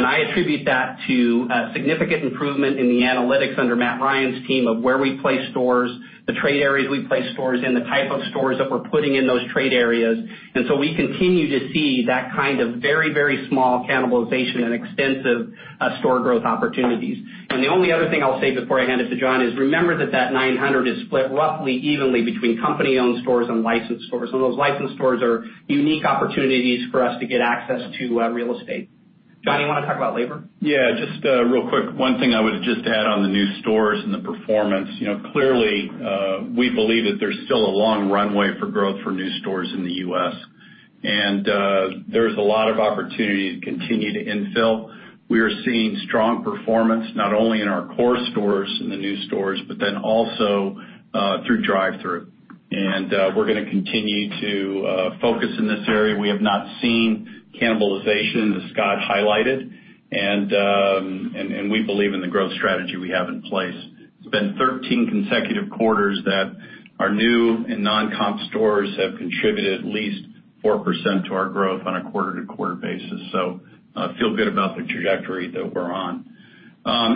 S5: I attribute that to a significant improvement in the analytics under Matthew Ryan's team of where we place stores, the trade areas we place stores in, the type of stores that we're putting in those trade areas. We continue to see that kind of very small cannibalization and extensive store growth opportunities. The only other thing I'll say before I hand it to John is, remember that that 900 is split roughly evenly between company-owned stores and licensed stores, and those licensed stores are unique opportunities for us to get access to real estate. John, you want to talk about labor?
S7: Just real quick, one thing I would just add on the new stores and the performance. Clearly, we believe that there's still a long runway for growth for new stores in the U.S., and there's a lot of opportunity to continue to infill. We are seeing strong performance not only in our core stores, in the new stores, but then also through drive-through. We're going to continue to focus in this area. We have not seen cannibalization, as Scott highlighted, and we believe in the growth strategy we have in place. It's been 13 consecutive quarters that our new and non-comp stores have contributed at least 4% to our growth on a quarter-over-quarter basis. Feel good about the trajectory that we're on.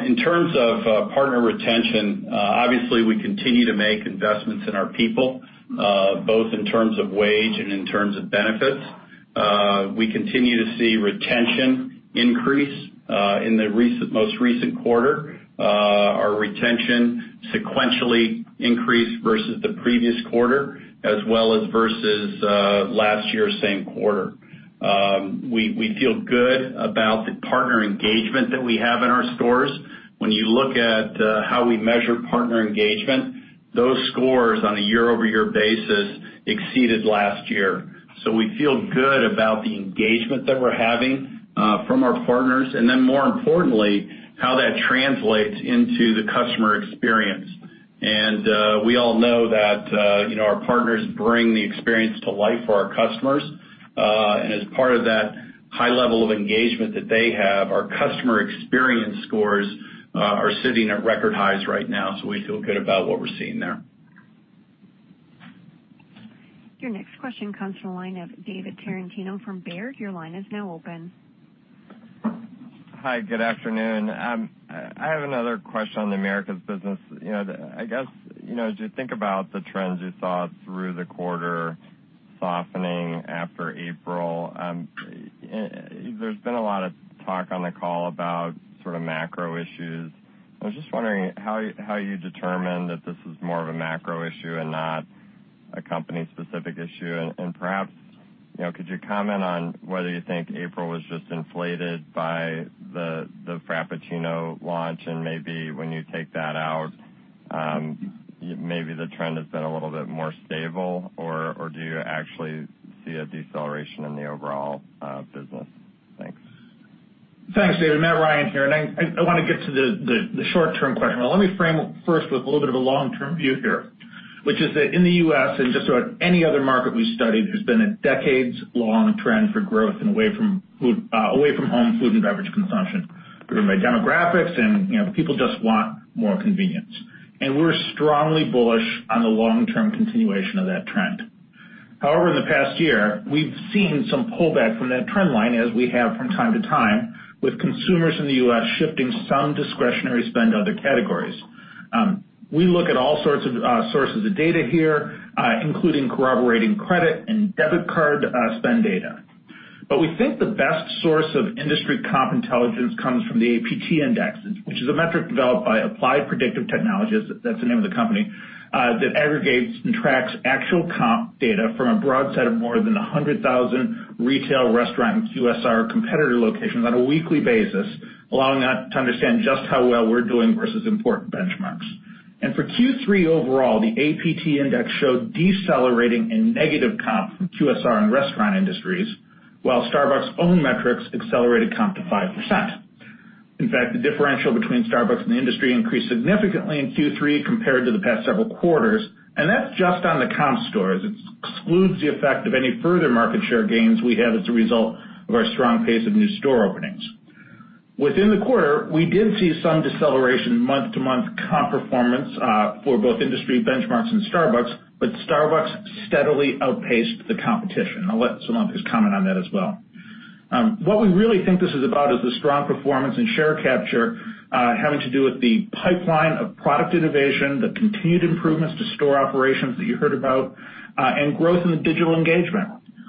S7: In terms of partner retention, obviously, we continue to make investments in our people, both in terms of wage and in terms of benefits. We continue to see retention increase. In the most recent quarter, our retention sequentially increased versus the previous quarter as well as versus last year's same quarter. We feel good about the partner engagement that we have in our stores. When you look at how we measure partner engagement. Those scores on a year-over-year basis exceeded last year. We feel good about the engagement that we're having from our partners, and then more importantly, how that translates into the customer experience. We all know that our partners bring the experience to life for our customers. As part of that high level of engagement that they have, our customer experience scores are sitting at record highs right now. We feel good about what we're seeing there.
S1: Your next question comes from the line of David Tarantino from Baird. Your line is now open.
S8: Hi, good afternoon. I have another question on the Americas business. I guess, as you think about the trends you saw through the quarter softening after April, there's been a lot of talk on the call about macro issues. I was just wondering how you determine that this is more of a macro issue and not a company-specific issue. Perhaps, could you comment on whether you think April was just inflated by the Frappuccino launch and maybe when you take that out, maybe the trend has been a little bit more stable? Or do you actually see a deceleration in the overall business? Thanks.
S4: Thanks, David. Matt Ryan here. I want to get to the short-term question. Well, let me frame first with a little bit of a long-term view here, which is that in the U.S., just about any other market we studied, there's been a decades-long trend for growth in away-from-home food and beverage consumption, driven by demographics and people just want more convenience. We're strongly bullish on the long-term continuation of that trend. However, in the past year, we've seen some pullback from that trend line, as we have from time to time, with consumers in the U.S. shifting some discretionary spend to other categories. We look at all sorts of sources of data here, including corroborating credit and debit card spend data. We think the best source of industry comp intelligence comes from the APT Index, which is a metric developed by Applied Predictive Technologies, that's the name of the company, that aggregates and tracks actual comp data from a broad set of more than 100,000 retail, restaurant, and QSR competitor locations on a weekly basis, allowing us to understand just how well we're doing versus important benchmarks. For Q3 overall, the APT Index showed decelerating and negative comp from QSR and restaurant industries, while Starbucks own metrics accelerated comp to 5%. In fact, the differential between Starbucks and the industry increased significantly in Q3 compared to the past several quarters. That's just on the comp stores. It excludes the effect of any further market share gains we have as a result of our strong pace of new store openings.
S7: Within the quarter, we did see some deceleration month-to-month comp performance for both industry benchmarks and Starbucks. Starbucks steadily outpaced the competition. I'll let [Scott Maw] just comment on that as well. What we really think this is about is the strong performance in share capture having to do with the pipeline of product innovation, the continued improvements to store operations that you heard about, and growth in the digital engagement.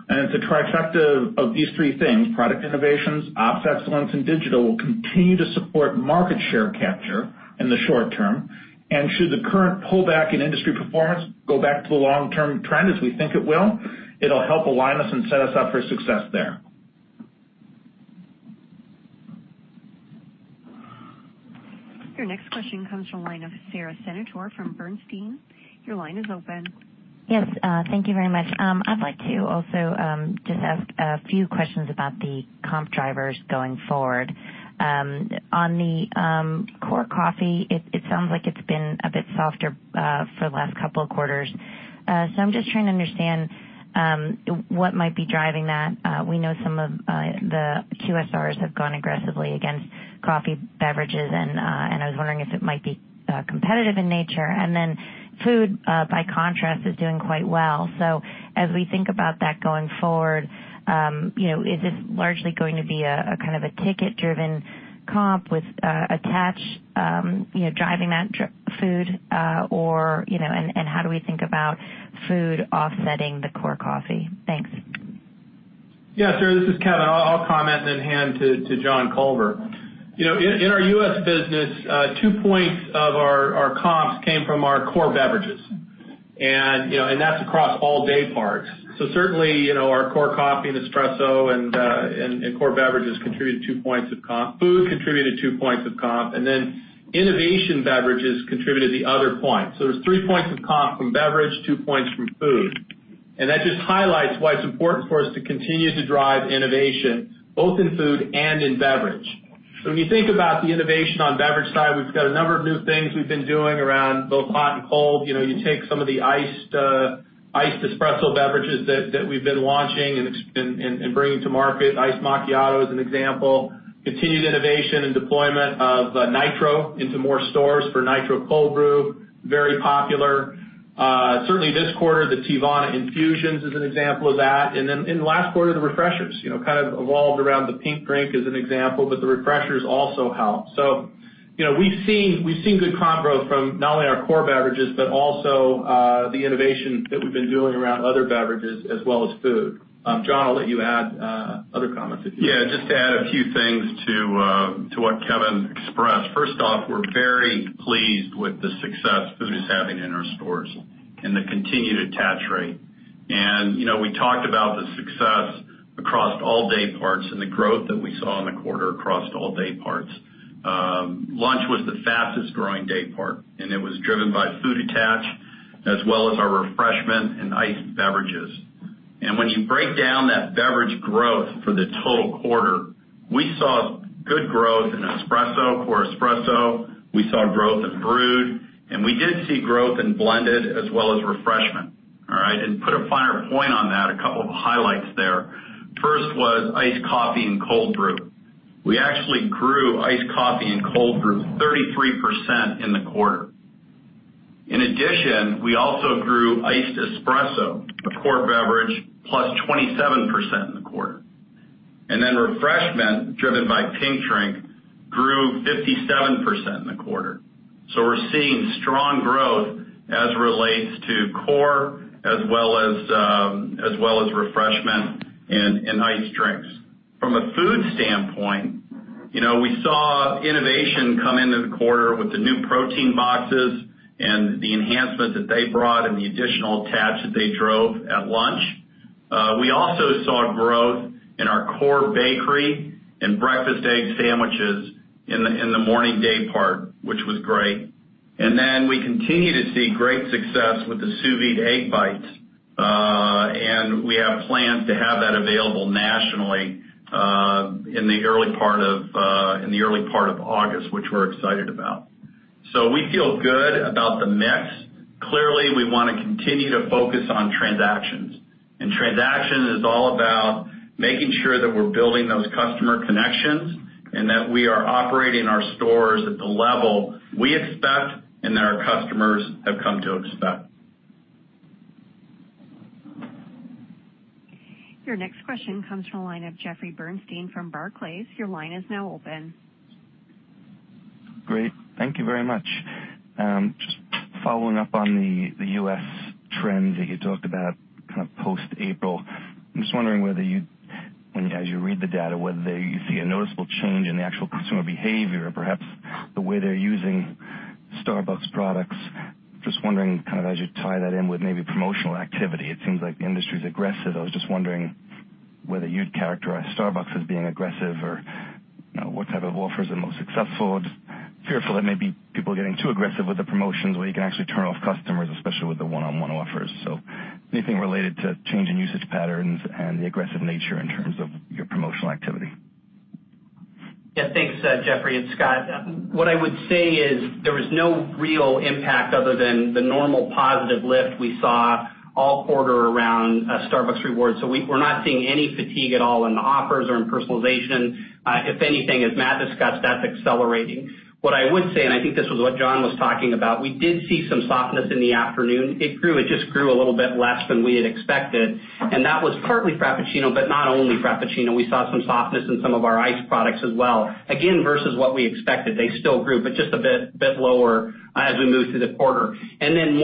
S7: It's a trifecta of these three things, product innovations, ops excellence, and digital will continue to support market share capture in the short term. Should the current pullback in industry performance go back to the long-term trend as we think it will, it'll help align us and set us up for success there.
S1: Your next question comes from the line of Sara Senatore from Bernstein. Your line is open.
S9: Yes. Thank you very much. I'd like to also just ask a few questions about the comp drivers going forward. On the core coffee, it sounds like it's been a bit softer for the last couple of quarters. I'm just trying to understand what might be driving that. We know some of the QSRs have gone aggressively against coffee beverages, and I was wondering if it might be competitive in nature. Food, by contrast, is doing quite well. As we think about that going forward, is this largely going to be a kind of a ticket-driven comp with attach driving that food, and how do we think about food offsetting the core coffee? Thanks.
S3: Yeah, Sara, this is Kevin. I'll comment, then hand to John Culver. In our U.S. business, two points of our comps came from our core beverages, and that's across all day parts. Certainly, our core coffee and espresso and core beverages contributed two points of comp. Food contributed two points of comp, innovation beverages contributed the other point. There's three points of comp from beverage, two points from food. That just highlights why it's important for us to continue to drive innovation both in food and in beverage. When you think about the innovation on beverage side, we've got a number of new things we've been doing around both hot and cold. You take some of the Iced Espresso beverages that we've been launching and bringing to market, Iced Macchiato as an example, continued innovation and deployment of Nitro into more stores for Nitro Cold Brew, very popular. Certainly this quarter, the Teavana Infusions is an example of that. In the last quarter, the refreshers, kind of evolved around the Pink Drink as an example, the refreshers also helped. We've seen good comp growth from not only our core beverages, but also the innovation that we've been doing around other beverages as well as food. John, I'll let you add other comments if you want. Yeah, just to add a few things to what Kevin expressed. First off, we're very pleased with the success food is having in our stores and the continued attach rate.
S7: We talked about the success across all day parts and the growth that we saw in the quarter across all day parts. Lunch was the fastest-growing day part, and it was driven by food attach, as well as our refreshment and iced beverages. When you break down that beverage growth for the total quarter, we saw good growth in espresso, core espresso. We saw growth in brewed, and we did see growth in blended as well as refreshment. All right? Put a finer point on that, a couple of highlights there. First was iced coffee and cold brew. We actually grew iced coffee and cold brew 33% in the quarter. In addition, we also grew iced espresso, a core beverage, +27% in the quarter. Then refreshment, driven by Pink Drink, grew 57% in the quarter. We're seeing strong growth as relates to core as well as refreshment and iced drinks. From a food standpoint, we saw innovation come into the quarter with the new protein boxes and the enhancement that they brought and the additional attach that they drove at lunch. We also saw growth in our core bakery and breakfast egg sandwiches in the morning day part, which was great. We continue to see great success with the Sous Vide Egg Bites. We have plans to have that available nationally in the early part of August, which we're excited about. We feel good about the mix. Clearly, we want to continue to focus on transactions. Transaction is all about making sure that we're building those customer connections and that we are operating our stores at the level we expect and that our customers have come to expect.
S1: Your next question comes from the line of Jeffrey Bernstein from Barclays. Your line is now open.
S10: Great. Thank you very much. Just following up on the U.S. trends that you talked about post-April. I'm just wondering whether you, as you read the data, whether you see a noticeable change in the actual consumer behavior, perhaps the way they're using Starbucks products. Just wondering as you tie that in with maybe promotional activity. It seems like the industry's aggressive. I was just wondering whether you'd characterize Starbucks as being aggressive or what type of offers are most successful. Just fearful that maybe people are getting too aggressive with the promotions where you can actually turn off customers, especially with the one-on-one offers. Anything related to change in usage patterns and the aggressive nature in terms of your promotional activity.
S5: Thanks, Jeffrey. It's Scott. What I would say is there was no real impact other than the normal positive lift we saw all quarter around Starbucks Rewards. We're not seeing any fatigue at all in the offers or in personalization. If anything, as Matt discussed, that's accelerating. What I would say, I think this was what John was talking about, we did see some softness in the afternoon. It grew, it just grew a little bit less than we had expected. That was partly Frappuccino, but not only Frappuccino. We saw some softness in some of our iced products as well, again, versus what we expected. They still grew, but just a bit lower as we moved through the quarter.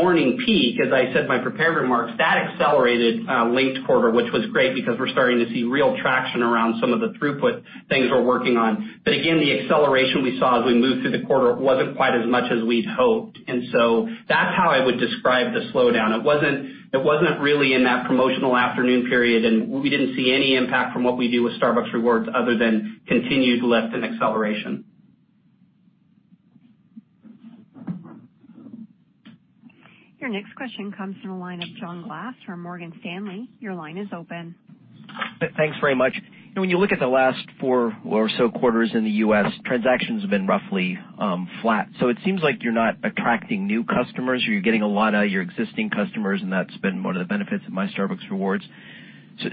S5: Morning peak, as I said in my prepared remarks, that accelerated late quarter, which was great because we're starting to see real traction around some of the throughput things we're working on. Again, the acceleration we saw as we moved through the quarter wasn't quite as much as we'd hoped. That's how I would describe the slowdown. It wasn't really in that promotional afternoon period, and we didn't see any impact from what we do with Starbucks Rewards other than continued lift and acceleration.
S1: Your next question comes from the line of John Glass from Morgan Stanley. Your line is open.
S11: Thanks very much. When you look at the last four or so quarters in the U.S., transactions have been roughly flat. It seems like you're not attracting new customers or you're getting a lot out of your existing customers, and that's been one of the benefits of My Starbucks Rewards.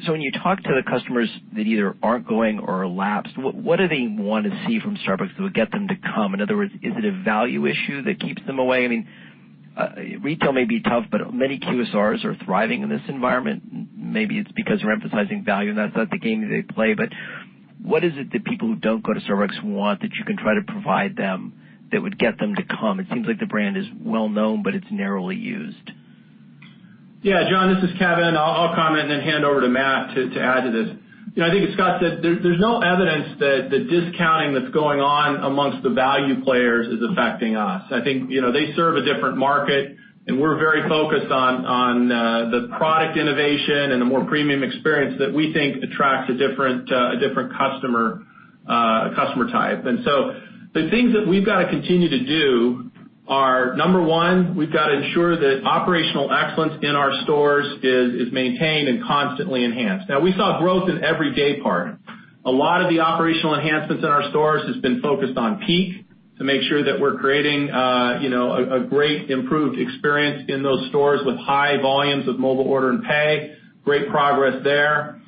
S11: When you talk to the customers that either aren't going or are lapsed, what do they want to see from Starbucks that would get them to come? In other words, is it a value issue that keeps them away? I mean, retail may be tough, but many QSRs are thriving in this environment. Maybe it's because they're emphasizing value and that's not the game they play, but what is it that people who don't go to Starbucks want that you can try to provide them that would get them to come? It seems like the brand is well-known, it's narrowly used.
S3: Yeah. John, this is Kevin. I'll comment and then hand over to Matt to add to this. I think as Scott said, there's no evidence that the discounting that's going on amongst the value players is affecting us. I think they serve a different market, we're very focused on the product innovation and a more premium experience that we think attracts a different customer type. The things that we've got to continue to do are, number one, we've got to ensure that operational excellence in our stores is maintained and constantly enhanced. Now, we saw growth in every day part. A lot of the operational enhancements in our stores has been focused on peak to make sure that we're creating a great improved experience in those stores with high volumes of mobile order and pay. Great progress there.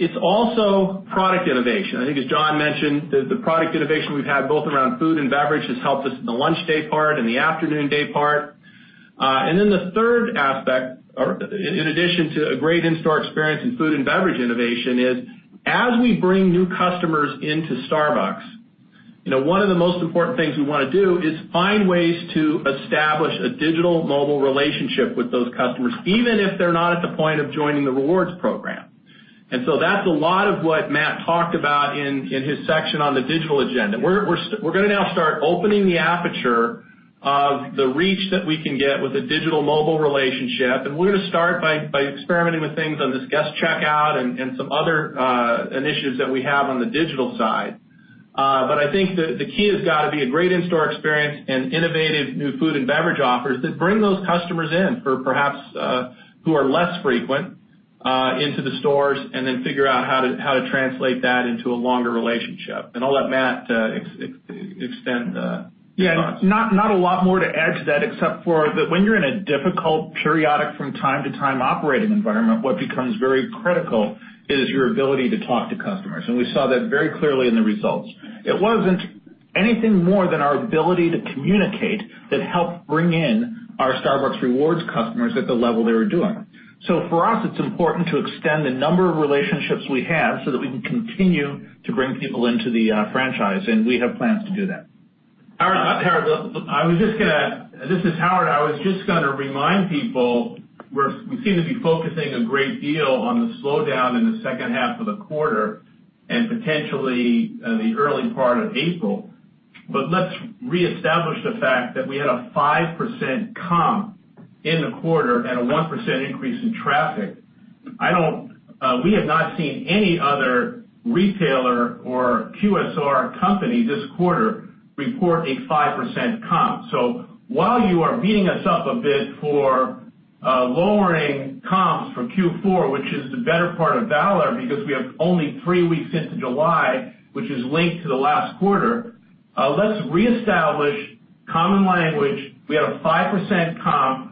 S3: It's also product innovation. I think as John mentioned, the product innovation we've had both around food and beverage has helped us in the lunch day part and the afternoon day part. The third aspect, in addition to a great in-store experience in food and beverage innovation, is as we bring new customers into Starbucks, one of the most important things we want to do is find ways to establish a digital mobile relationship with those customers, even if they're not at the point of joining the rewards program. That's a lot of what Matt talked about in his section on the digital agenda. We're going to now start opening the aperture of the reach that we can get with a digital mobile relationship, we're going to start by experimenting with things on this guest checkout and some other initiatives that we have on the digital side. I think that the key has got to be a great in-store experience and innovative new food and beverage offers that bring those customers in, perhaps who are less frequent, into the stores, then figure out how to translate that into a longer relationship. I'll let Matt extend the thoughts.
S4: Yeah. Not a lot more to add to that except for that when you're in a difficult periodic, from time to time operating environment, what becomes very critical is your ability to talk to customers. We saw that very clearly in the results. It wasn't anything more than our ability to communicate that helped bring in our Starbucks Rewards customers at the level they were doing. For us, it's important to extend the number of relationships we have so that we can continue to bring people into the franchise, we have plans to do that.
S12: Howard, this is Howard. I was just going to remind people, we seem to be focusing a great deal on the slowdown in the second half of the quarter and potentially the early part of April. Let's reestablish the fact that we had a 5% comp in the quarter and a 1% increase in traffic. We have not seen any other retailer or QSR company this quarter report a 5% comp. While you are beating us up a bit for lowering comps for Q4, which is the better part of valor because we have only three weeks into July, which is linked to the last quarter, let's reestablish common language. We had a 5% comp,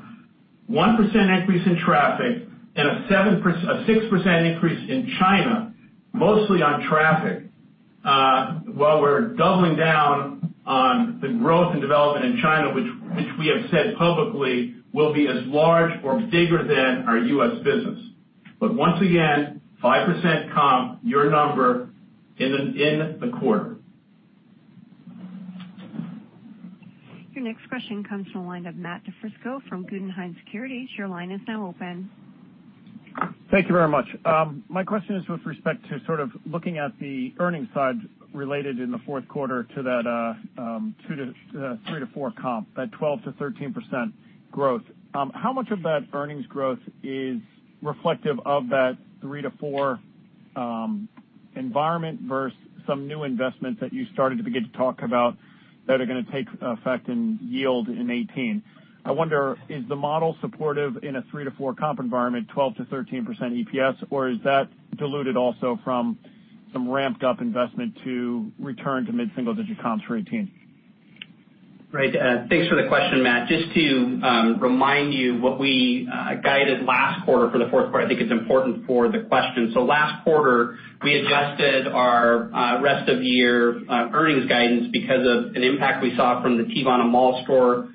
S12: 1% increase in traffic, and a 6% increase in China, mostly on traffic, while we're doubling down on the growth and development in China, which we have said publicly will be as large or bigger than our U.S. business. Once again, 5% comp, your number in the quarter.
S1: Your next question comes from the line of Matthew DiFrisco from Guggenheim Securities. Your line is now open.
S13: Thank you very much. My question is with respect to looking at the earnings side related in the fourth quarter to that 3%-4% comp, that 12%-13% growth. How much of that earnings growth is reflective of that 3%-4% environment versus some new investments that you started to begin to talk about that are going to take effect in yield in 2018? I wonder, is the model supportive in a 3%-4% comp environment, 12%-13% EPS, or is that diluted also from some ramped up investment to return to mid-single digit comps for 2018?
S5: Right. Thanks for the question, Matt. Just to remind you what we guided last quarter for the fourth quarter, I think it's important for the question. Last quarter, we adjusted our rest of year earnings guidance because of an impact we saw from the Teavana mall store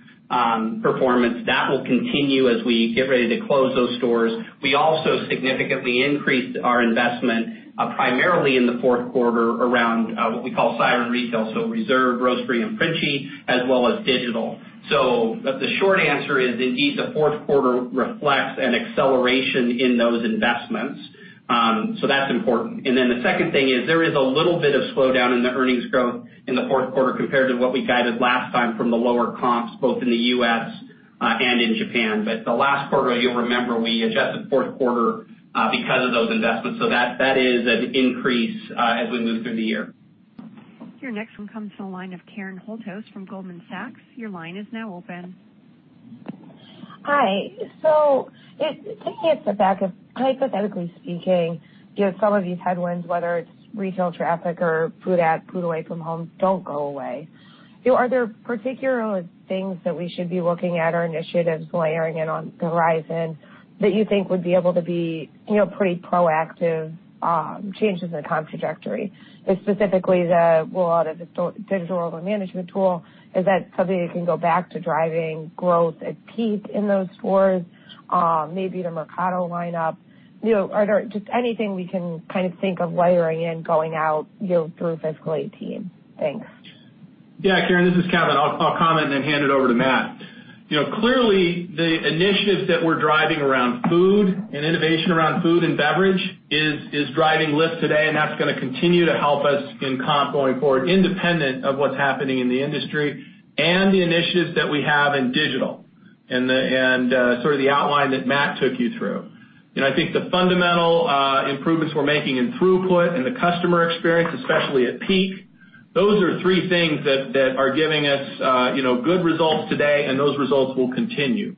S5: performance. That will continue as we get ready to close those stores. We also significantly increased our investment, primarily in the fourth quarter, around what we call Siren Retail, so Reserve, Roastery, and Princi, as well as digital. The short answer is, indeed, the fourth quarter reflects an acceleration in those investments. That's important. The second thing is there is a little bit of slowdown in the earnings growth in the fourth quarter compared to what we guided last time from the lower comps, both in the U.S. and in Japan. The last quarter, you'll remember, we adjusted fourth quarter because of those investments. That is an increase as we move through the year.
S1: Your next one comes from the line of Karen Holthouse from Goldman Sachs. Your line is now open.
S14: Taking a step back, hypothetically speaking, some of these headwinds, whether it's retail traffic or food away from home, don't go away. Are there particular things that we should be looking at or initiatives layering in on the horizon that you think would be able to be pretty proactive changes in the comp trajectory? Specifically the roll out of the Digital Order Management tool. Is that something that can go back to driving growth at peak in those stores? Maybe the Mercado lineup. Just anything we can think of layering in going out through fiscal 2018. Thanks.
S3: Yeah, Karen, this is Kevin. I'll comment and then hand it over to Matt. Clearly the initiatives that we're driving around food and innovation around food and beverage is driving lift today, and that's going to continue to help us in comp going forward, independent of what's happening in the industry and the initiatives that we have in digital, and the outline that Matt took you through. I think the fundamental improvements we're making in throughput and the customer experience, especially at peak, those are three things that are giving us good results today and those results will continue.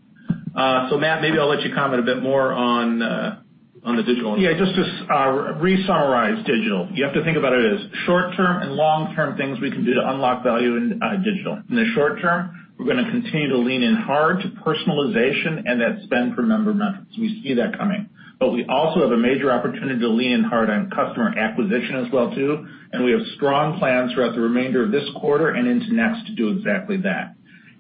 S3: Matt, maybe I'll let you comment a bit more on the digital.
S4: Yeah, just to re-summarize digital. You have to think about it as short-term and long-term things we can do to unlock value in digital. In the short term, we're going to continue to lean in hard to personalization and that spend per member methods. We see that coming. We also have a major opportunity to lean in hard on customer acquisition as well too, and we have strong plans throughout the remainder of this quarter and into next to do exactly that.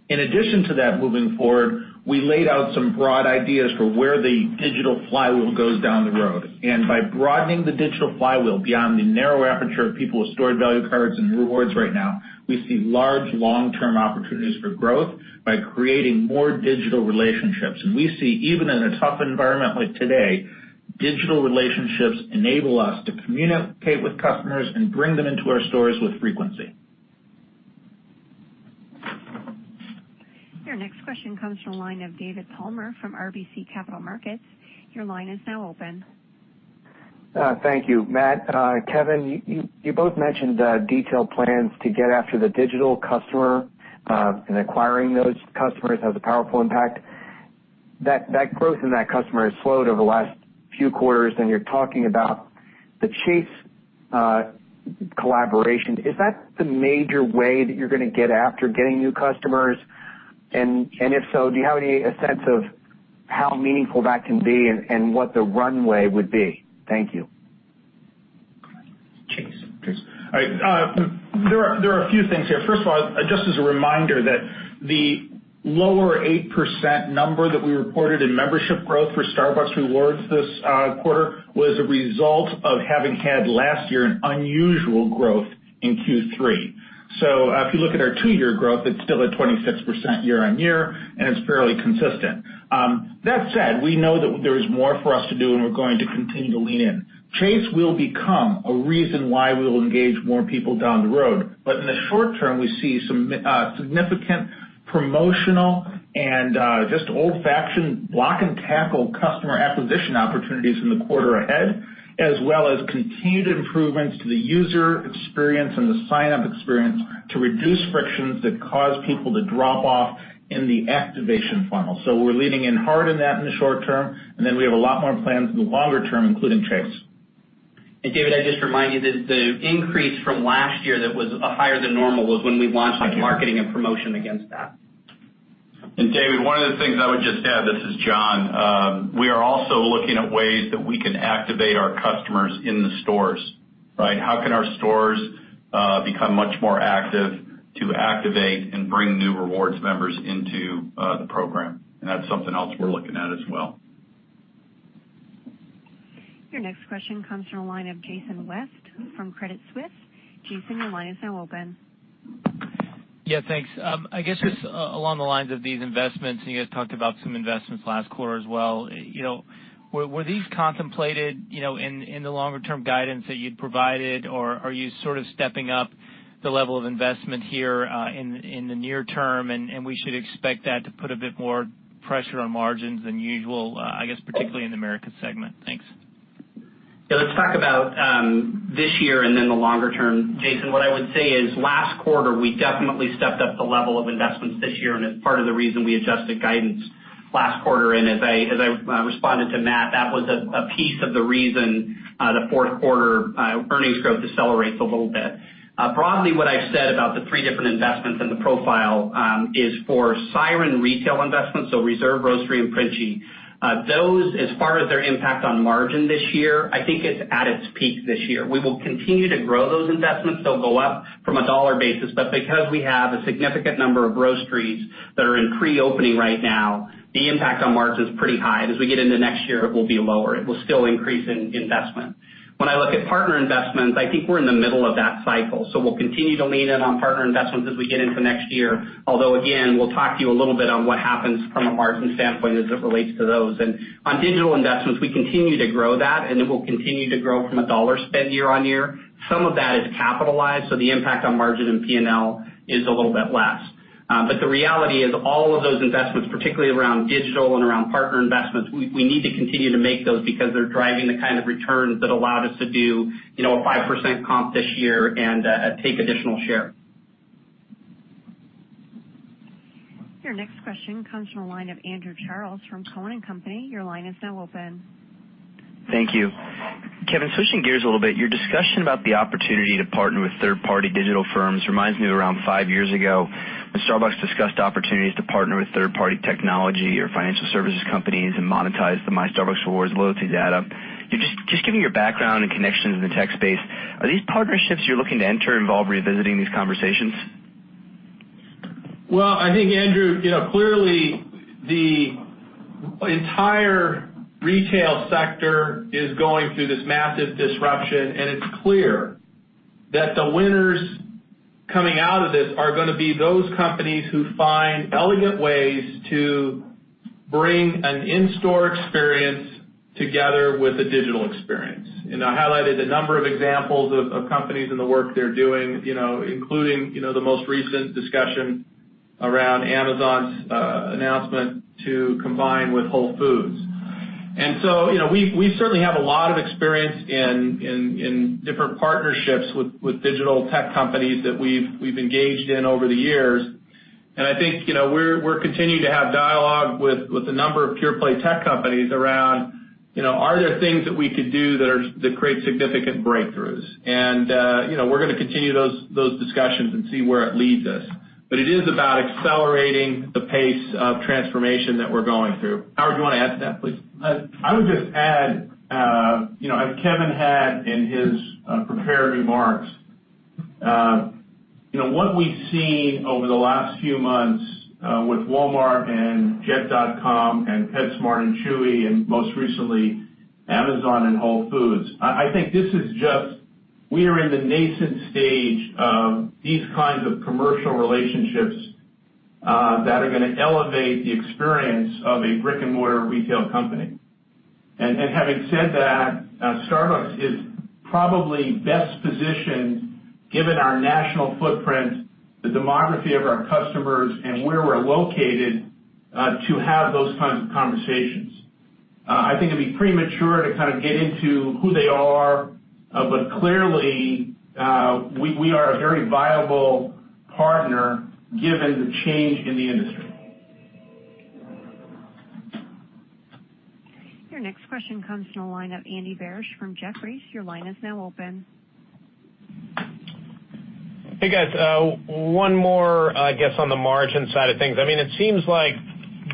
S4: In addition to that, moving forward, we laid out some broad ideas for where the Digital Flywheel goes down the road. By broadening the Digital Flywheel beyond the narrow aperture of people with stored value cards and Rewards right now, we see large long-term opportunities for growth by creating more digital relationships. We see, even in a tough environment like today, digital relationships enable us to communicate with customers and bring them into our stores with frequency.
S1: Your next question comes from the line of David Palmer from RBC Capital Markets. Your line is now open.
S15: Thank you, Matt. Kevin, you both mentioned the detailed plans to get after the digital customer, acquiring those customers has a powerful impact. That growth in that customer has slowed over the last few quarters, you're talking about the Chase collaboration. Is that the major way that you're going to get after getting new customers? If so, do you have a sense of how meaningful that can be and what the runway would be? Thank you.
S4: Chase. Chase. All right. There are a few things here. First of all, just as a reminder that the lower 8% number that we reported in membership growth for Starbucks Rewards this quarter was a result of having had last year an unusual growth in Q3. If you look at our two-year growth, it's still at 26% year-on-year, it's fairly consistent. That said, we know that there is more for us to do, we're going to continue to lean in. Chase will become a reason why we will engage more people down the road. In the short term, we see some significant promotional and just old-fashioned block-and-tackle customer acquisition opportunities in the quarter ahead, as well as continued improvements to the user experience and the sign-up experience to reduce frictions that cause people to drop off in the activation funnel. We're leaning in hard on that in the short term, then we have a lot more plans in the longer term, including Chase.
S5: David, I'd just remind you that the increase from last year that was higher than normal was when we launched our marketing and promotion against that.
S7: David, one of the things I would just add, this is John. We are also looking at ways that we can activate our customers in the stores. How can our stores become much more active to activate and bring new Starbucks Rewards members into the program? That's something else we're looking at as well.
S1: Your next question comes from the line of Jason West from Credit Suisse. Jason, your line is now open.
S16: Yeah, thanks. I guess just along the lines of these investments. You guys talked about some investments last quarter as well. Were these contemplated in the longer-term guidance that you'd provided, or are you sort of stepping up the level of investment here in the near term? We should expect that to put a bit more pressure on margins than usual, I guess, particularly in the Americas segment? Thanks.
S5: Yeah. Let's talk about this year and then the longer term. Jason, what I would say is last quarter, we definitely stepped up the level of investments this year, and it's part of the reason we adjusted guidance last quarter. As I responded to Matt, that was a piece of the reason the fourth quarter earnings growth decelerates a little bit. Broadly, what I've said about the three different investments in the profile is for Siren Retail investments, so Reserve, Roastery, and Princi. Those, as far as their impact on margin this year, I think it's at its peak this year. We will continue to grow those investments. They'll go up from a dollar basis. Because we have a significant number of Roasteries that are in pre-opening right now, the impact on margin's pretty high. As we get into next year, it will be lower. It will still increase in investment. When I look at partner investments, I think we're in the middle of that cycle. We'll continue to lean in on partner investments as we get into next year. Although, again, we'll talk to you a little bit on what happens from a margin standpoint as it relates to those. On digital investments, we continue to grow that, and it will continue to grow from a dollar spend year-on-year. Some of that is capitalized, so the impact on margin and P&L is a little bit less. The reality is all of those investments, particularly around digital and around partner investments, we need to continue to make those because they're driving the kind of returns that allowed us to do a 5% comp this year and take additional share.
S1: Your next question comes from the line of Andrew Charles from Cowen and Company. Your line is now open.
S17: Thank you. Kevin, switching gears a little bit, your discussion about the opportunity to partner with third-party digital firms reminds me of around five years ago, when Starbucks discussed opportunities to partner with third-party technology or financial services companies and monetize the My Starbucks Rewards loyalty data. Just given your background and connections in the tech space, are these partnerships you're looking to enter involve revisiting these conversations?
S3: Well, I think, Andrew, clearly, the entire retail sector is going through this massive disruption, it's clear that the winners coming out of this are going to be those companies who find elegant ways to bring an in-store experience together with a digital experience. I highlighted a number of examples of companies and the work they're doing, including the most recent discussion around Amazon's announcement to combine with Whole Foods Market. We certainly have a lot of experience in different partnerships with digital tech companies that we've engaged in over the years. I think we're continuing to have dialogue with a number of pure-play tech companies around, are there things that we could do that create significant breakthroughs? We're going to continue those discussions and see where it leads us. It is about accelerating the pace of transformation that we're going through.
S7: Howard, do you want to add to that, please? I would just add, as Kevin had in his prepared remarks, what we've seen over the last few months with Walmart and Jet.com and PetSmart and Chewy.com, and most recently, Amazon and Whole Foods Market, I think we are in the nascent stage of these kinds of commercial relationships that are going to elevate the experience of a brick-and-mortar retail company.
S12: Having said that, Starbucks is probably best positioned, given our national footprint, the demography of our customers, and where we're located, to have those kinds of conversations. I think it'd be premature to get into who they are. Clearly, we are a very viable partner given the change in the industry.
S1: Your next question comes from the line of Andy Barish from Jefferies. Your line is now open.
S18: Hey, guys. One more, I guess, on the margin side of things. It seems like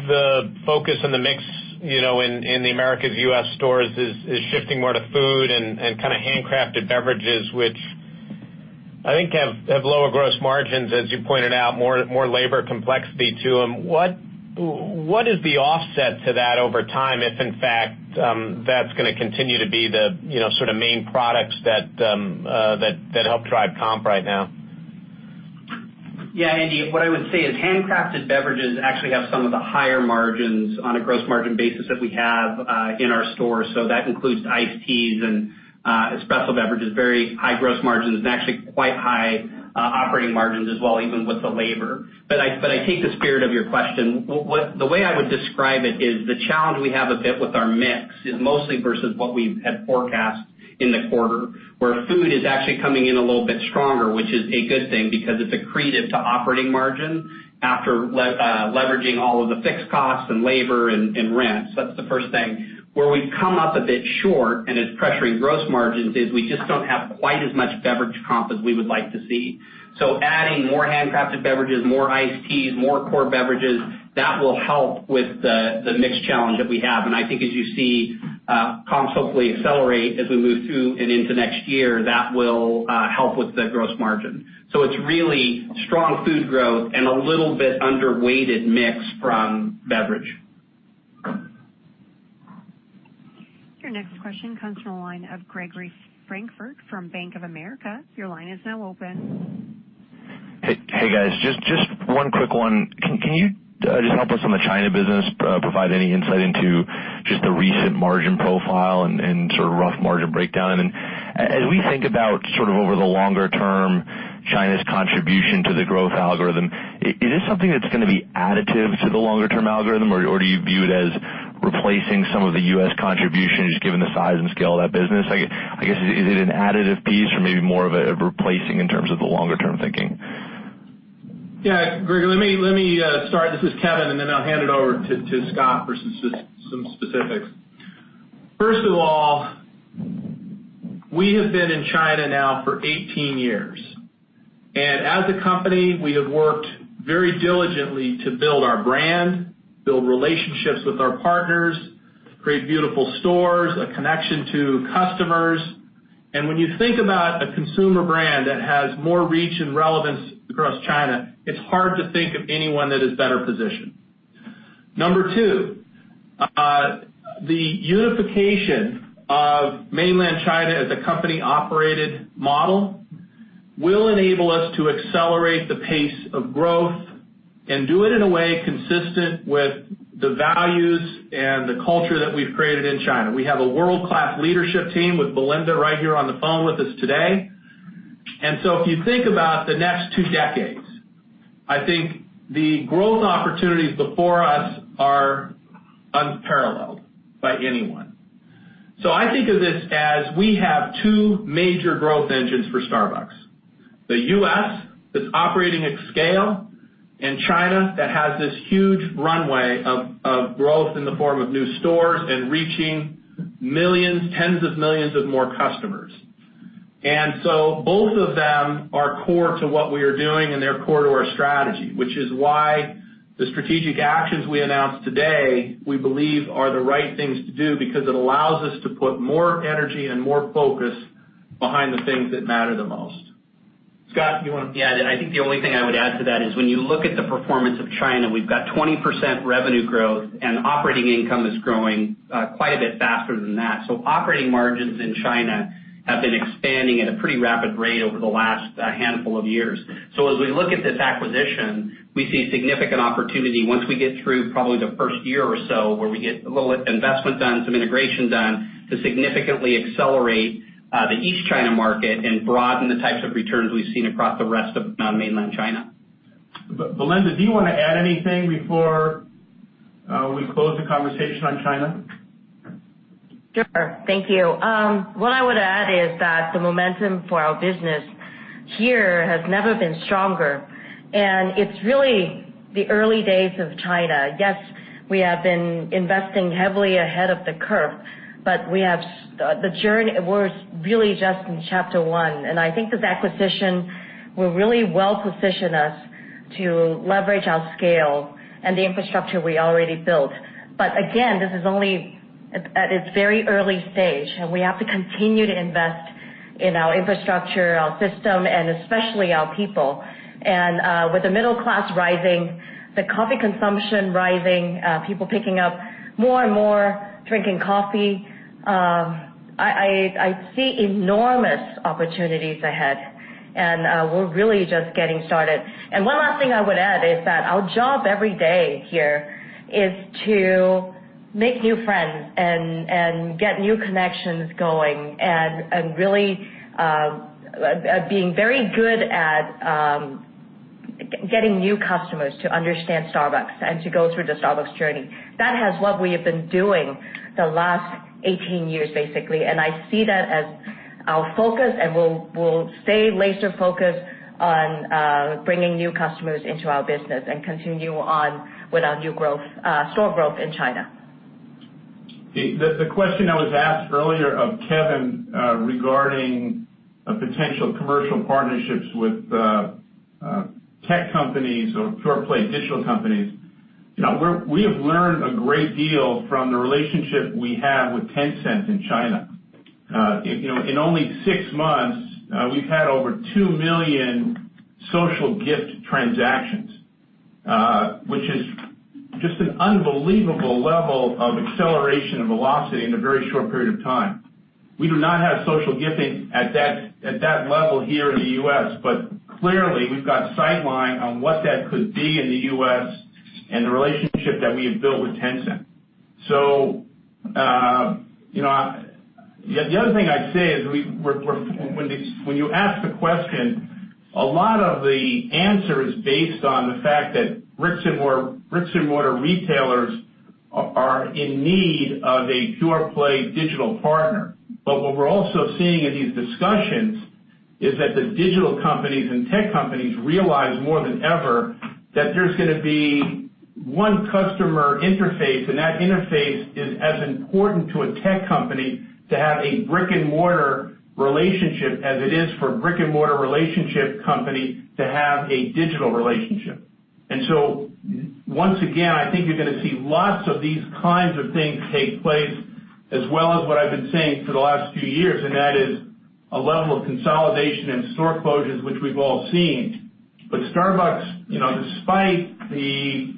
S18: the focus and the mix in the Americas U.S. stores is shifting more to food and handcrafted beverages, which I think have lower gross margins, as you pointed out, more labor complexity to them. What is the offset to that over time, if in fact, that's going to continue to be the main products that help drive comp right now?
S5: Yeah, Andy, what I would say is handcrafted beverages actually have some of the higher margins on a gross margin basis that we have in our stores. That includes iced teas and espresso beverages, very high gross margins, and actually quite high operating margins as well, even with the labor. I take the spirit of your question. The way I would describe it is the challenge we have a bit with our mix is mostly versus what we had forecast in the quarter, where food is actually coming in a little bit stronger, which is a good thing because it's accretive to operating margin after leveraging all of the fixed costs and labor and rent. That's the first thing. Where we've come up a bit short, and it's pressuring gross margins, is we just don't have quite as much beverage comp as we would like to see. Adding more handcrafted beverages, more iced teas, more core beverages, that will help with the mix challenge that we have. I think as you see comps hopefully accelerate as we move through and into next year, that will help with the gross margin. It's really strong food growth and a little bit underweighted mix from beverage.
S1: Your next question comes from the line of Gregory Francfort from Bank of America. Your line is now open.
S19: Hey, guys. Just one quick one. Can you just help us on the China business, provide any insight into just the recent margin profile and rough margin breakdown? As we think about over the longer term, China's contribution to the growth algorithm, is this something that's going to be additive to the longer-term algorithm, or do you view it as replacing some of the U.S. contribution, just given the size and scale of that business? I guess, is it an additive piece or maybe more of a replacing in terms of the longer-term thinking?
S3: Yeah, Gregory, let me start. This is Kevin. I'll hand it over to Scott for some specifics. First of all, we have been in China now for 18 years. As a company, we have worked very diligently to build our brand, build relationships with our partners, create beautiful stores, a connection to customers. When you think about a consumer brand that has more reach and relevance across China, it's hard to think of anyone that is better positioned. Number 2, the unification of Mainland China as a company-operated model will enable us to accelerate the pace of growth and do it in a way consistent with the values and the culture that we've created in China. We have a world-class leadership team with Belinda right here on the phone with us today.
S12: If you think about the next two decades, I think the growth opportunities before us are unparalleled by anyone. I think of this as we have two major growth engines for Starbucks, the U.S. that's operating at scale, and China that has this huge runway of growth in the form of new stores and reaching millions, tens of millions of more customers. Both of them are core to what we are doing, and they're core to our strategy, which is why the strategic actions we announced today, we believe are the right things to do because it allows us to put more energy and more focus behind the things that matter the most. Scott, you want to?
S5: Yeah. I think the only thing I would add to that is when you look at the performance of China, we've got 20% revenue growth. Operating income is growing quite a bit faster than that. Operating margins in China have been expanding at a pretty rapid rate over the last handful of years. As we look at this acquisition, we see significant opportunity once we get through probably the first year or so where we get a little investment done, some integration done to significantly accelerate the East China market and broaden the types of returns we've seen across the rest of Mainland China.
S12: Belinda, do you want to add anything before we close the conversation on Starbucks China?
S20: Sure. Thank you. What I would add is that the momentum for our business here has never been stronger, and it's really the early days of Starbucks China. Yes, we have been investing heavily ahead of the curve, but we're really just in chapter one, and I think this acquisition will really well position us to leverage our scale and the infrastructure we already built. Again, this is only at its very early stage, and we have to continue to invest in our infrastructure, our system, and especially our people. With the middle class rising, the coffee consumption rising, people picking up more and more drinking coffee, I see enormous opportunities ahead. We're really just getting started. One last thing I would add is that our job every day here is to make new friends and get new connections going and really being very good at getting new customers to understand Starbucks and to go through the Starbucks journey. That is what we have been doing the last 18 years, basically. I see that as our focus, and we'll stay laser focused on bringing new customers into our business and continue on with our new store growth in Starbucks China.
S12: The question that was asked earlier of Kevin regarding potential commercial partnerships with tech companies or pure-play digital companies. We have learned a great deal from the relationship we have with Tencent in Starbucks China. In only six months, we've had over two million social gift transactions, which is just an unbelievable level of acceleration and velocity in a very short period of time. We do not have social gifting at that level here in the U.S., but clearly, we've got sightline on what that could be in the U.S. and the relationship that we have built with Tencent. The other thing I'd say is, when you ask the question, a lot of the answer is based on the fact that bricks and mortar retailers are in need of a pure-play digital partner. What we're also seeing in these discussions is that the digital companies and tech companies realize more than ever that there's going to be one customer interface, and that interface is as important to a tech company to have a brick-and-mortar relationship as it is for a brick-and-mortar relationship company to have a digital relationship. Once again, I think you're going to see lots of these kinds of things take place, as well as what I've been saying for the last few years, and that is a level of consolidation and store closures, which we've all seen. Starbucks, despite the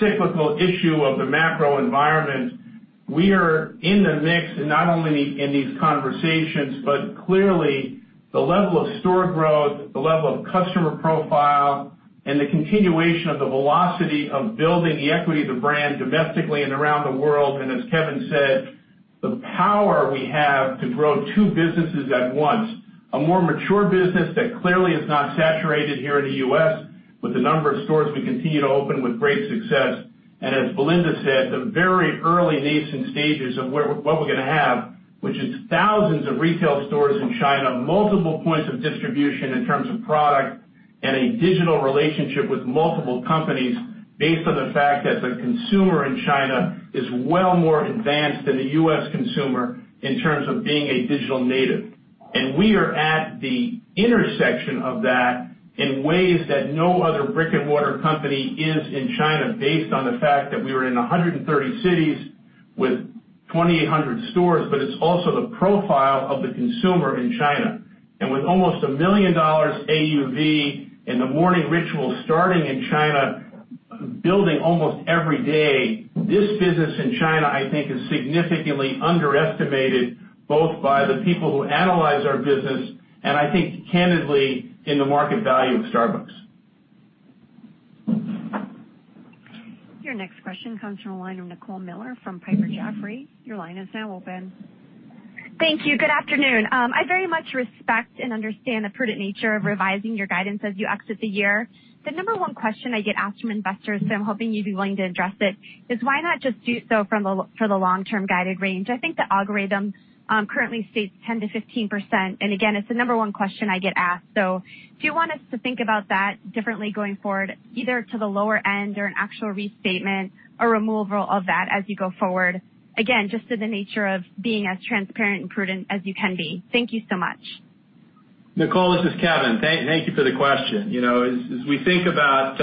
S12: cyclical issue of the macro environment, we are in the mix, not only in these conversations, but clearly the level of store growth, the level of customer profile, and the continuation of the velocity of building the equity of the brand domestically and around the world. As Kevin said, the power we have to grow two businesses at once, a more mature business that clearly is not saturated here in the U.S. with the number of stores we continue to open with great success. As Belinda said, the very early nascent stages of what we're going to have, which is thousands of retail stores in China, multiple points of distribution in terms of product, and a digital relationship with multiple companies based on the fact that the consumer in China is well more advanced than the U.S. consumer in terms of being a digital native. We are at the intersection of that in ways that no other brick-and-mortar company is in China based on the fact that we are in 130 cities with 2,800 stores, but it's also the profile of the consumer in China. With almost a $1 million AUV in the morning ritual starting in China, building almost every day, this business in China, I think, is significantly underestimated, both by the people who analyze our business, and I think candidly, in the market value of Starbucks.
S1: Your next question comes from the line of Nicole Miller from Piper Jaffray. Your line is now open.
S21: Thank you. Good afternoon. I very much respect and understand the prudent nature of revising your guidance as you exit the year. The number one question I get asked from investors, so I'm hoping you'd be willing to address it, is why not just do so for the long-term guided range? I think the algorithm currently states 10%-15%. Again, it's the number one question I get asked. Do you want us to think about that differently going forward, either to the lower end or an actual restatement or removal of that as you go forward? Again, just to the nature of being as transparent and prudent as you can be. Thank you so much.
S3: Nicole, this is Kevin. Thank you for the question. As we think about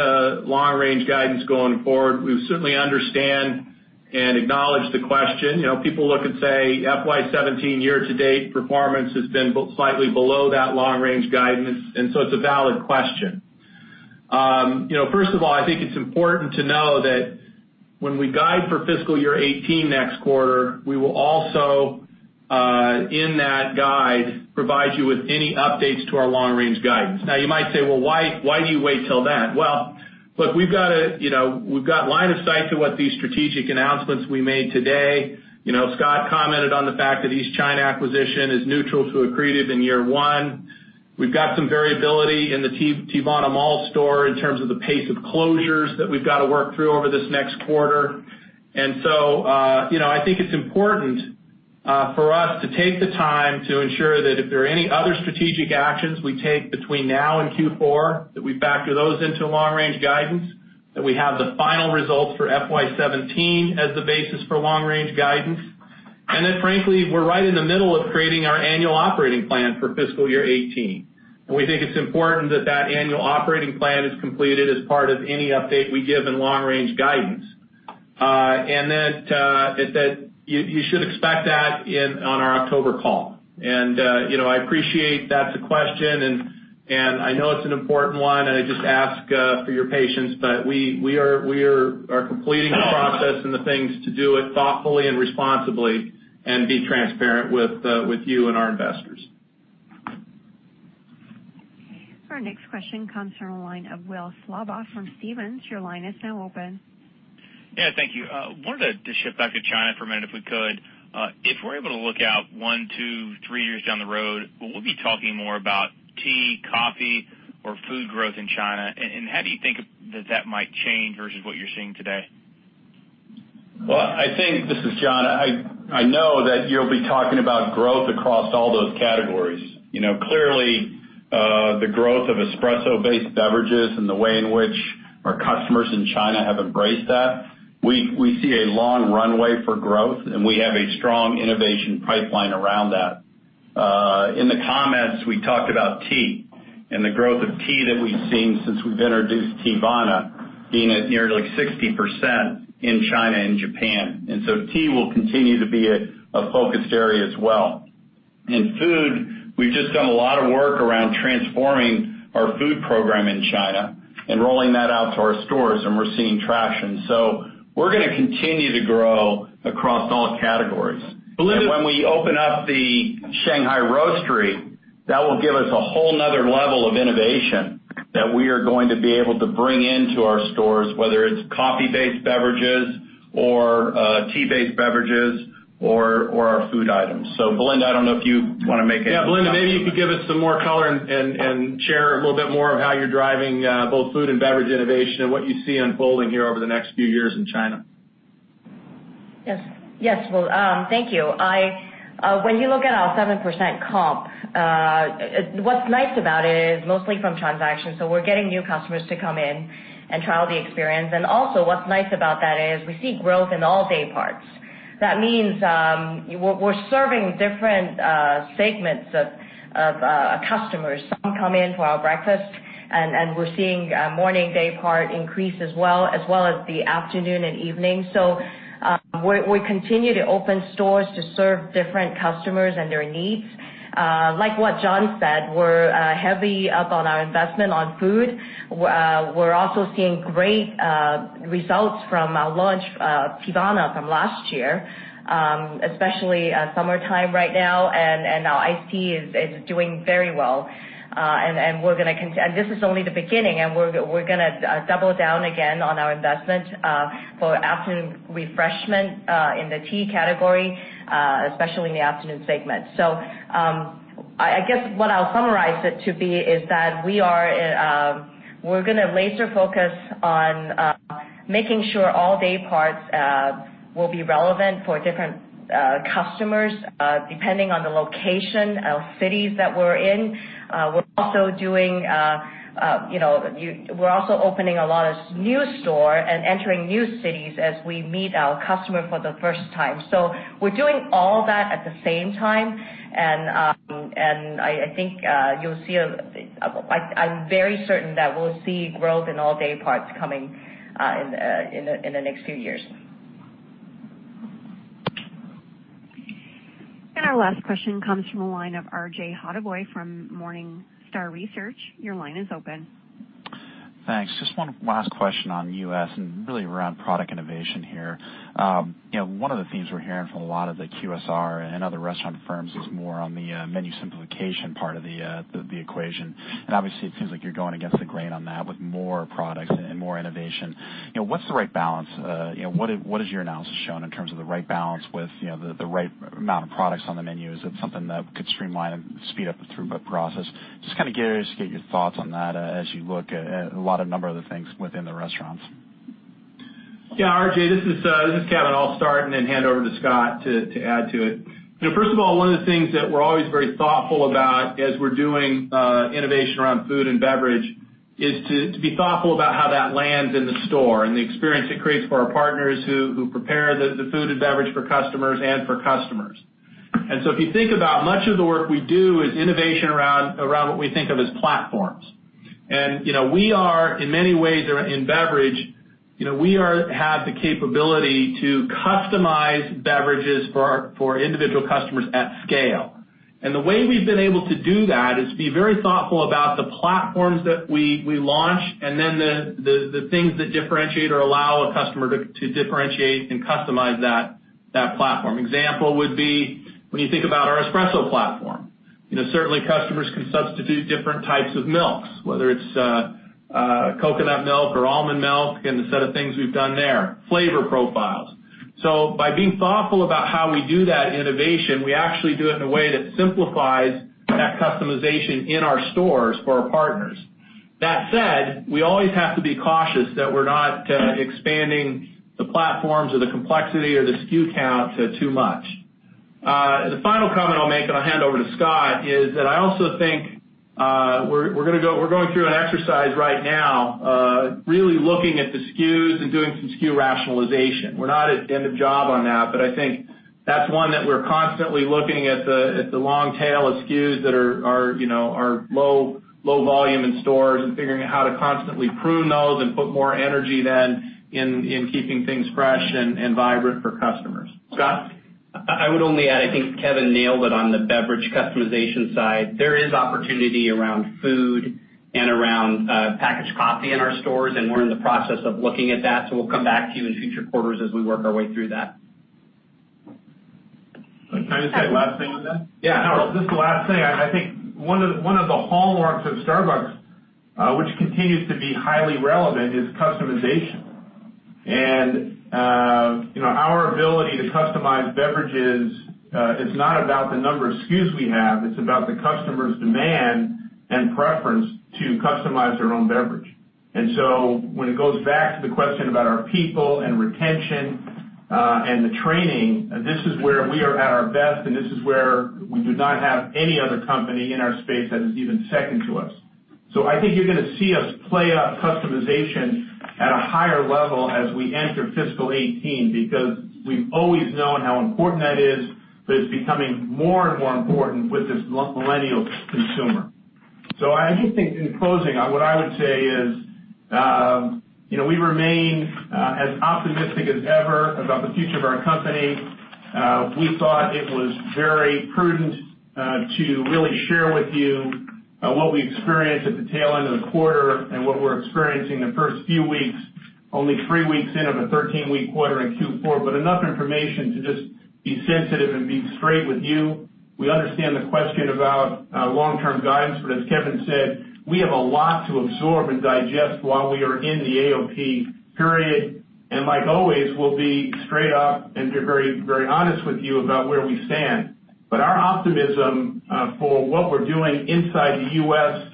S3: long-range guidance going forward, we certainly understand and acknowledge the question. People look and say, FY 2017 year-to-date performance has been slightly below that long-range guidance, so it's a valid question. First of all, I think it's important to know that when we guide for fiscal year 2018 next quarter, we will also, in that guide, provide you with any updates to our long-range guidance. You might say, "Well, why do you wait till then?" Look, we've got line of sight to what these strategic announcements we made today. Scott commented on the fact that the East China acquisition is neutral to accretive in year one. We've got some variability in the Teavana Mall store in terms of the pace of closures that we've got to work through over this next quarter. I think it's important for us to take the time to ensure that if there are any other strategic actions we take between now and Q4, that we factor those into long-range guidance, that we have the final results for FY 2017 as the basis for long-range guidance. Frankly, we're right in the middle of creating our annual operating plan for fiscal year 2018. We think it's important that that annual operating plan is completed as part of any update we give in long-range guidance. That you should expect that on our October call. I appreciate that's a question, and I know it's an important one, and I just ask for your patience, but we are completing the process and the things to do it thoughtfully and responsibly. Be transparent with you and our investors.
S1: Our next question comes from the line of Will Slabaugh from Stephens. Your line is now open.
S22: Yeah, thank you. Wanted to shift back to China for a minute, if we could. If we're able to look out one, two, three years down the road, will we be talking more about tea, coffee, or food growth in China? How do you think that that might change versus what you're seeing today?
S7: Well, I think, this is John, I know that you'll be talking about growth across all those categories. Clearly, the growth of espresso-based beverages and the way in which our customers in China have embraced that, we see a long runway for growth, and we have a strong innovation pipeline around that. In the comments, we talked about tea and the growth of tea that we've seen since we've introduced Teavana, being at nearly 60% in China and Japan. Tea will continue to be a focused area as well. In food, we've just done a lot of work around transforming our food program in China and rolling that out to our stores, and we're seeing traction. We're going to continue to grow across all categories. Belinda- When we open up the Shanghai Roastery, that will give us a whole other level of innovation that we are going to be able to bring into our stores, whether it's coffee-based beverages or tea-based beverages or our food items. Belinda, I don't know if you want to make any comments on that.
S3: Yeah, Belinda, maybe you could give us some more color and share a little bit more of how you're driving both food and beverage innovation and what you see unfolding here over the next few years in China.
S20: Yes. Well, thank you. When you look at our 7% comp, what's nice about it is mostly from transactions, so we're getting new customers to come in and trial the experience. Also what's nice about that is we see growth in all day parts. That means we're serving different segments of customers. Some come in for our breakfast, and we're seeing morning day part increase as well, as well as the afternoon and evening. We continue to open stores to serve different customers and their needs. Like what John said, we're heavy up on our investment on food. We're also seeing great results from our launch of Teavana from last year, especially summertime right now, and our iced tea is doing very well. This is only the beginning, and we're going to double down again on our investment for afternoon refreshment in the tea category, especially in the afternoon segment. I guess what I'll summarize it to be is that we're going to laser focus on making sure all day parts will be relevant for different customers, depending on the location of cities that we're in. We're also opening a lot of new store and entering new cities as we meet our customer for the first time. We're doing all that at the same time, and I'm very certain that we'll see growth in all day parts coming in the next few years.
S1: Our last question comes from the line of R.J. Hottovy from Morningstar Research. Your line is open.
S23: Thanks. Just one last question on U.S. and really around product innovation here. One of the themes we're hearing from a lot of the QSR and other restaurant firms is more on the menu simplification part of the equation. Obviously, it seems like you're going against the grain on that with more products and more innovation. What's the right balance? What has your analysis shown in terms of the right balance with the right amount of products on the menu? Is it something that could streamline and speed up the throughput process? Just kind of curious to get your thoughts on that as you look at a lot of number of the things within the restaurants.
S3: Yeah, R.J., this is Kevin. I'll start and then hand over to Scott to add to it. First of all, one of the things that we're always very thoughtful about as we're doing innovation around food and beverage is to be thoughtful about how that lands in the store and the experience it creates for our partners who prepare the food and beverage for customers and for customers. So if you think about much of the work we do is innovation around what we think of as platforms. We are, in many ways, in beverage, we have the capability to customize beverages for individual customers at scale. The way we've been able to do that is to be very thoughtful about the platforms that we launch and then the things that differentiate or allow a customer to differentiate and customize that platform. Example would be when you think about our espresso platform. Certainly, customers can substitute different types of milks, whether it's coconut milk or almond milk, and the set of things we've done there. Flavor profiles. By being thoughtful about how we do that innovation, we actually do it in a way that simplifies that customization in our stores for our partners. That said, we always have to be cautious that we're not expanding the platforms or the complexity or the SKU count to too much. The final comment I'll make, and I'll hand over to Scott, is that I also think we're going through an exercise right now, really looking at the SKUs and doing some SKU rationalization. We're not at end of job on that, I think that's one that we're constantly looking at the long tail of SKUs that are low volume in stores and figuring out how to constantly prune those and put more energy then in keeping things fresh and vibrant for customers. Scott?
S5: I would only add, I think Kevin nailed it on the beverage customization side. There is opportunity around food and around packaged coffee in our stores, and we're in the process of looking at that, so we'll come back to you in future quarters as we work our way through that.
S12: Can I just say the last thing on that? Yeah, no, just the last thing. I think one of the hallmarks of Starbucks, which continues to be highly relevant, is customization. Our ability to customize beverages is not about the number of SKUs we have. It's about the customer's demand and preference to customize their own beverage. When it goes back to the question about our people and retention, and the training, this is where we are at our best, and this is where we do not have any other company in our space that is even second to us. I think you're going to see us play up customization at a higher level as we enter fiscal 2018, because we've always known how important that is, but it's becoming more and more important with this millennial consumer. I just think in closing, what I would say is, we remain as optimistic as ever about the future of our company. We thought it was very prudent to really share with you what we experienced at the tail end of the quarter and what we're experiencing the first few weeks, only three weeks into the 13-week quarter in Q4, but enough information to just be sensitive and be straight with you. We understand the question about long-term guidance, but as Kevin said, we have a lot to absorb and digest while we are in the AOP period. Like always, we'll be straight up and be very honest with you about where we stand. Our optimism for what we're doing inside the U.S.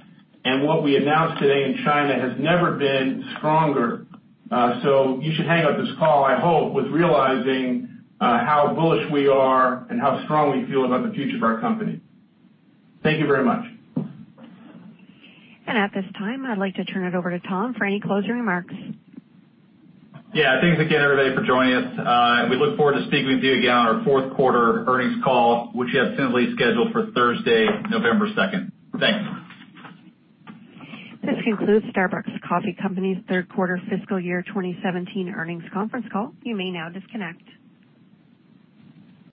S12: and what we announced today in China has never been stronger. You should hang up this call, I hope, with realizing how bullish we are and how strong we feel about the future of our company. Thank you very much.
S1: At this time, I'd like to turn it over to Tom for any closing remarks.
S2: Yeah. Thanks again, everybody, for joining us. We look forward to speaking with you again on our fourth quarter earnings call, which we have currently scheduled for Thursday, November 2nd. Thanks.
S1: This concludes Starbucks Coffee Company's third quarter fiscal year 2017 earnings conference call. You may now disconnect.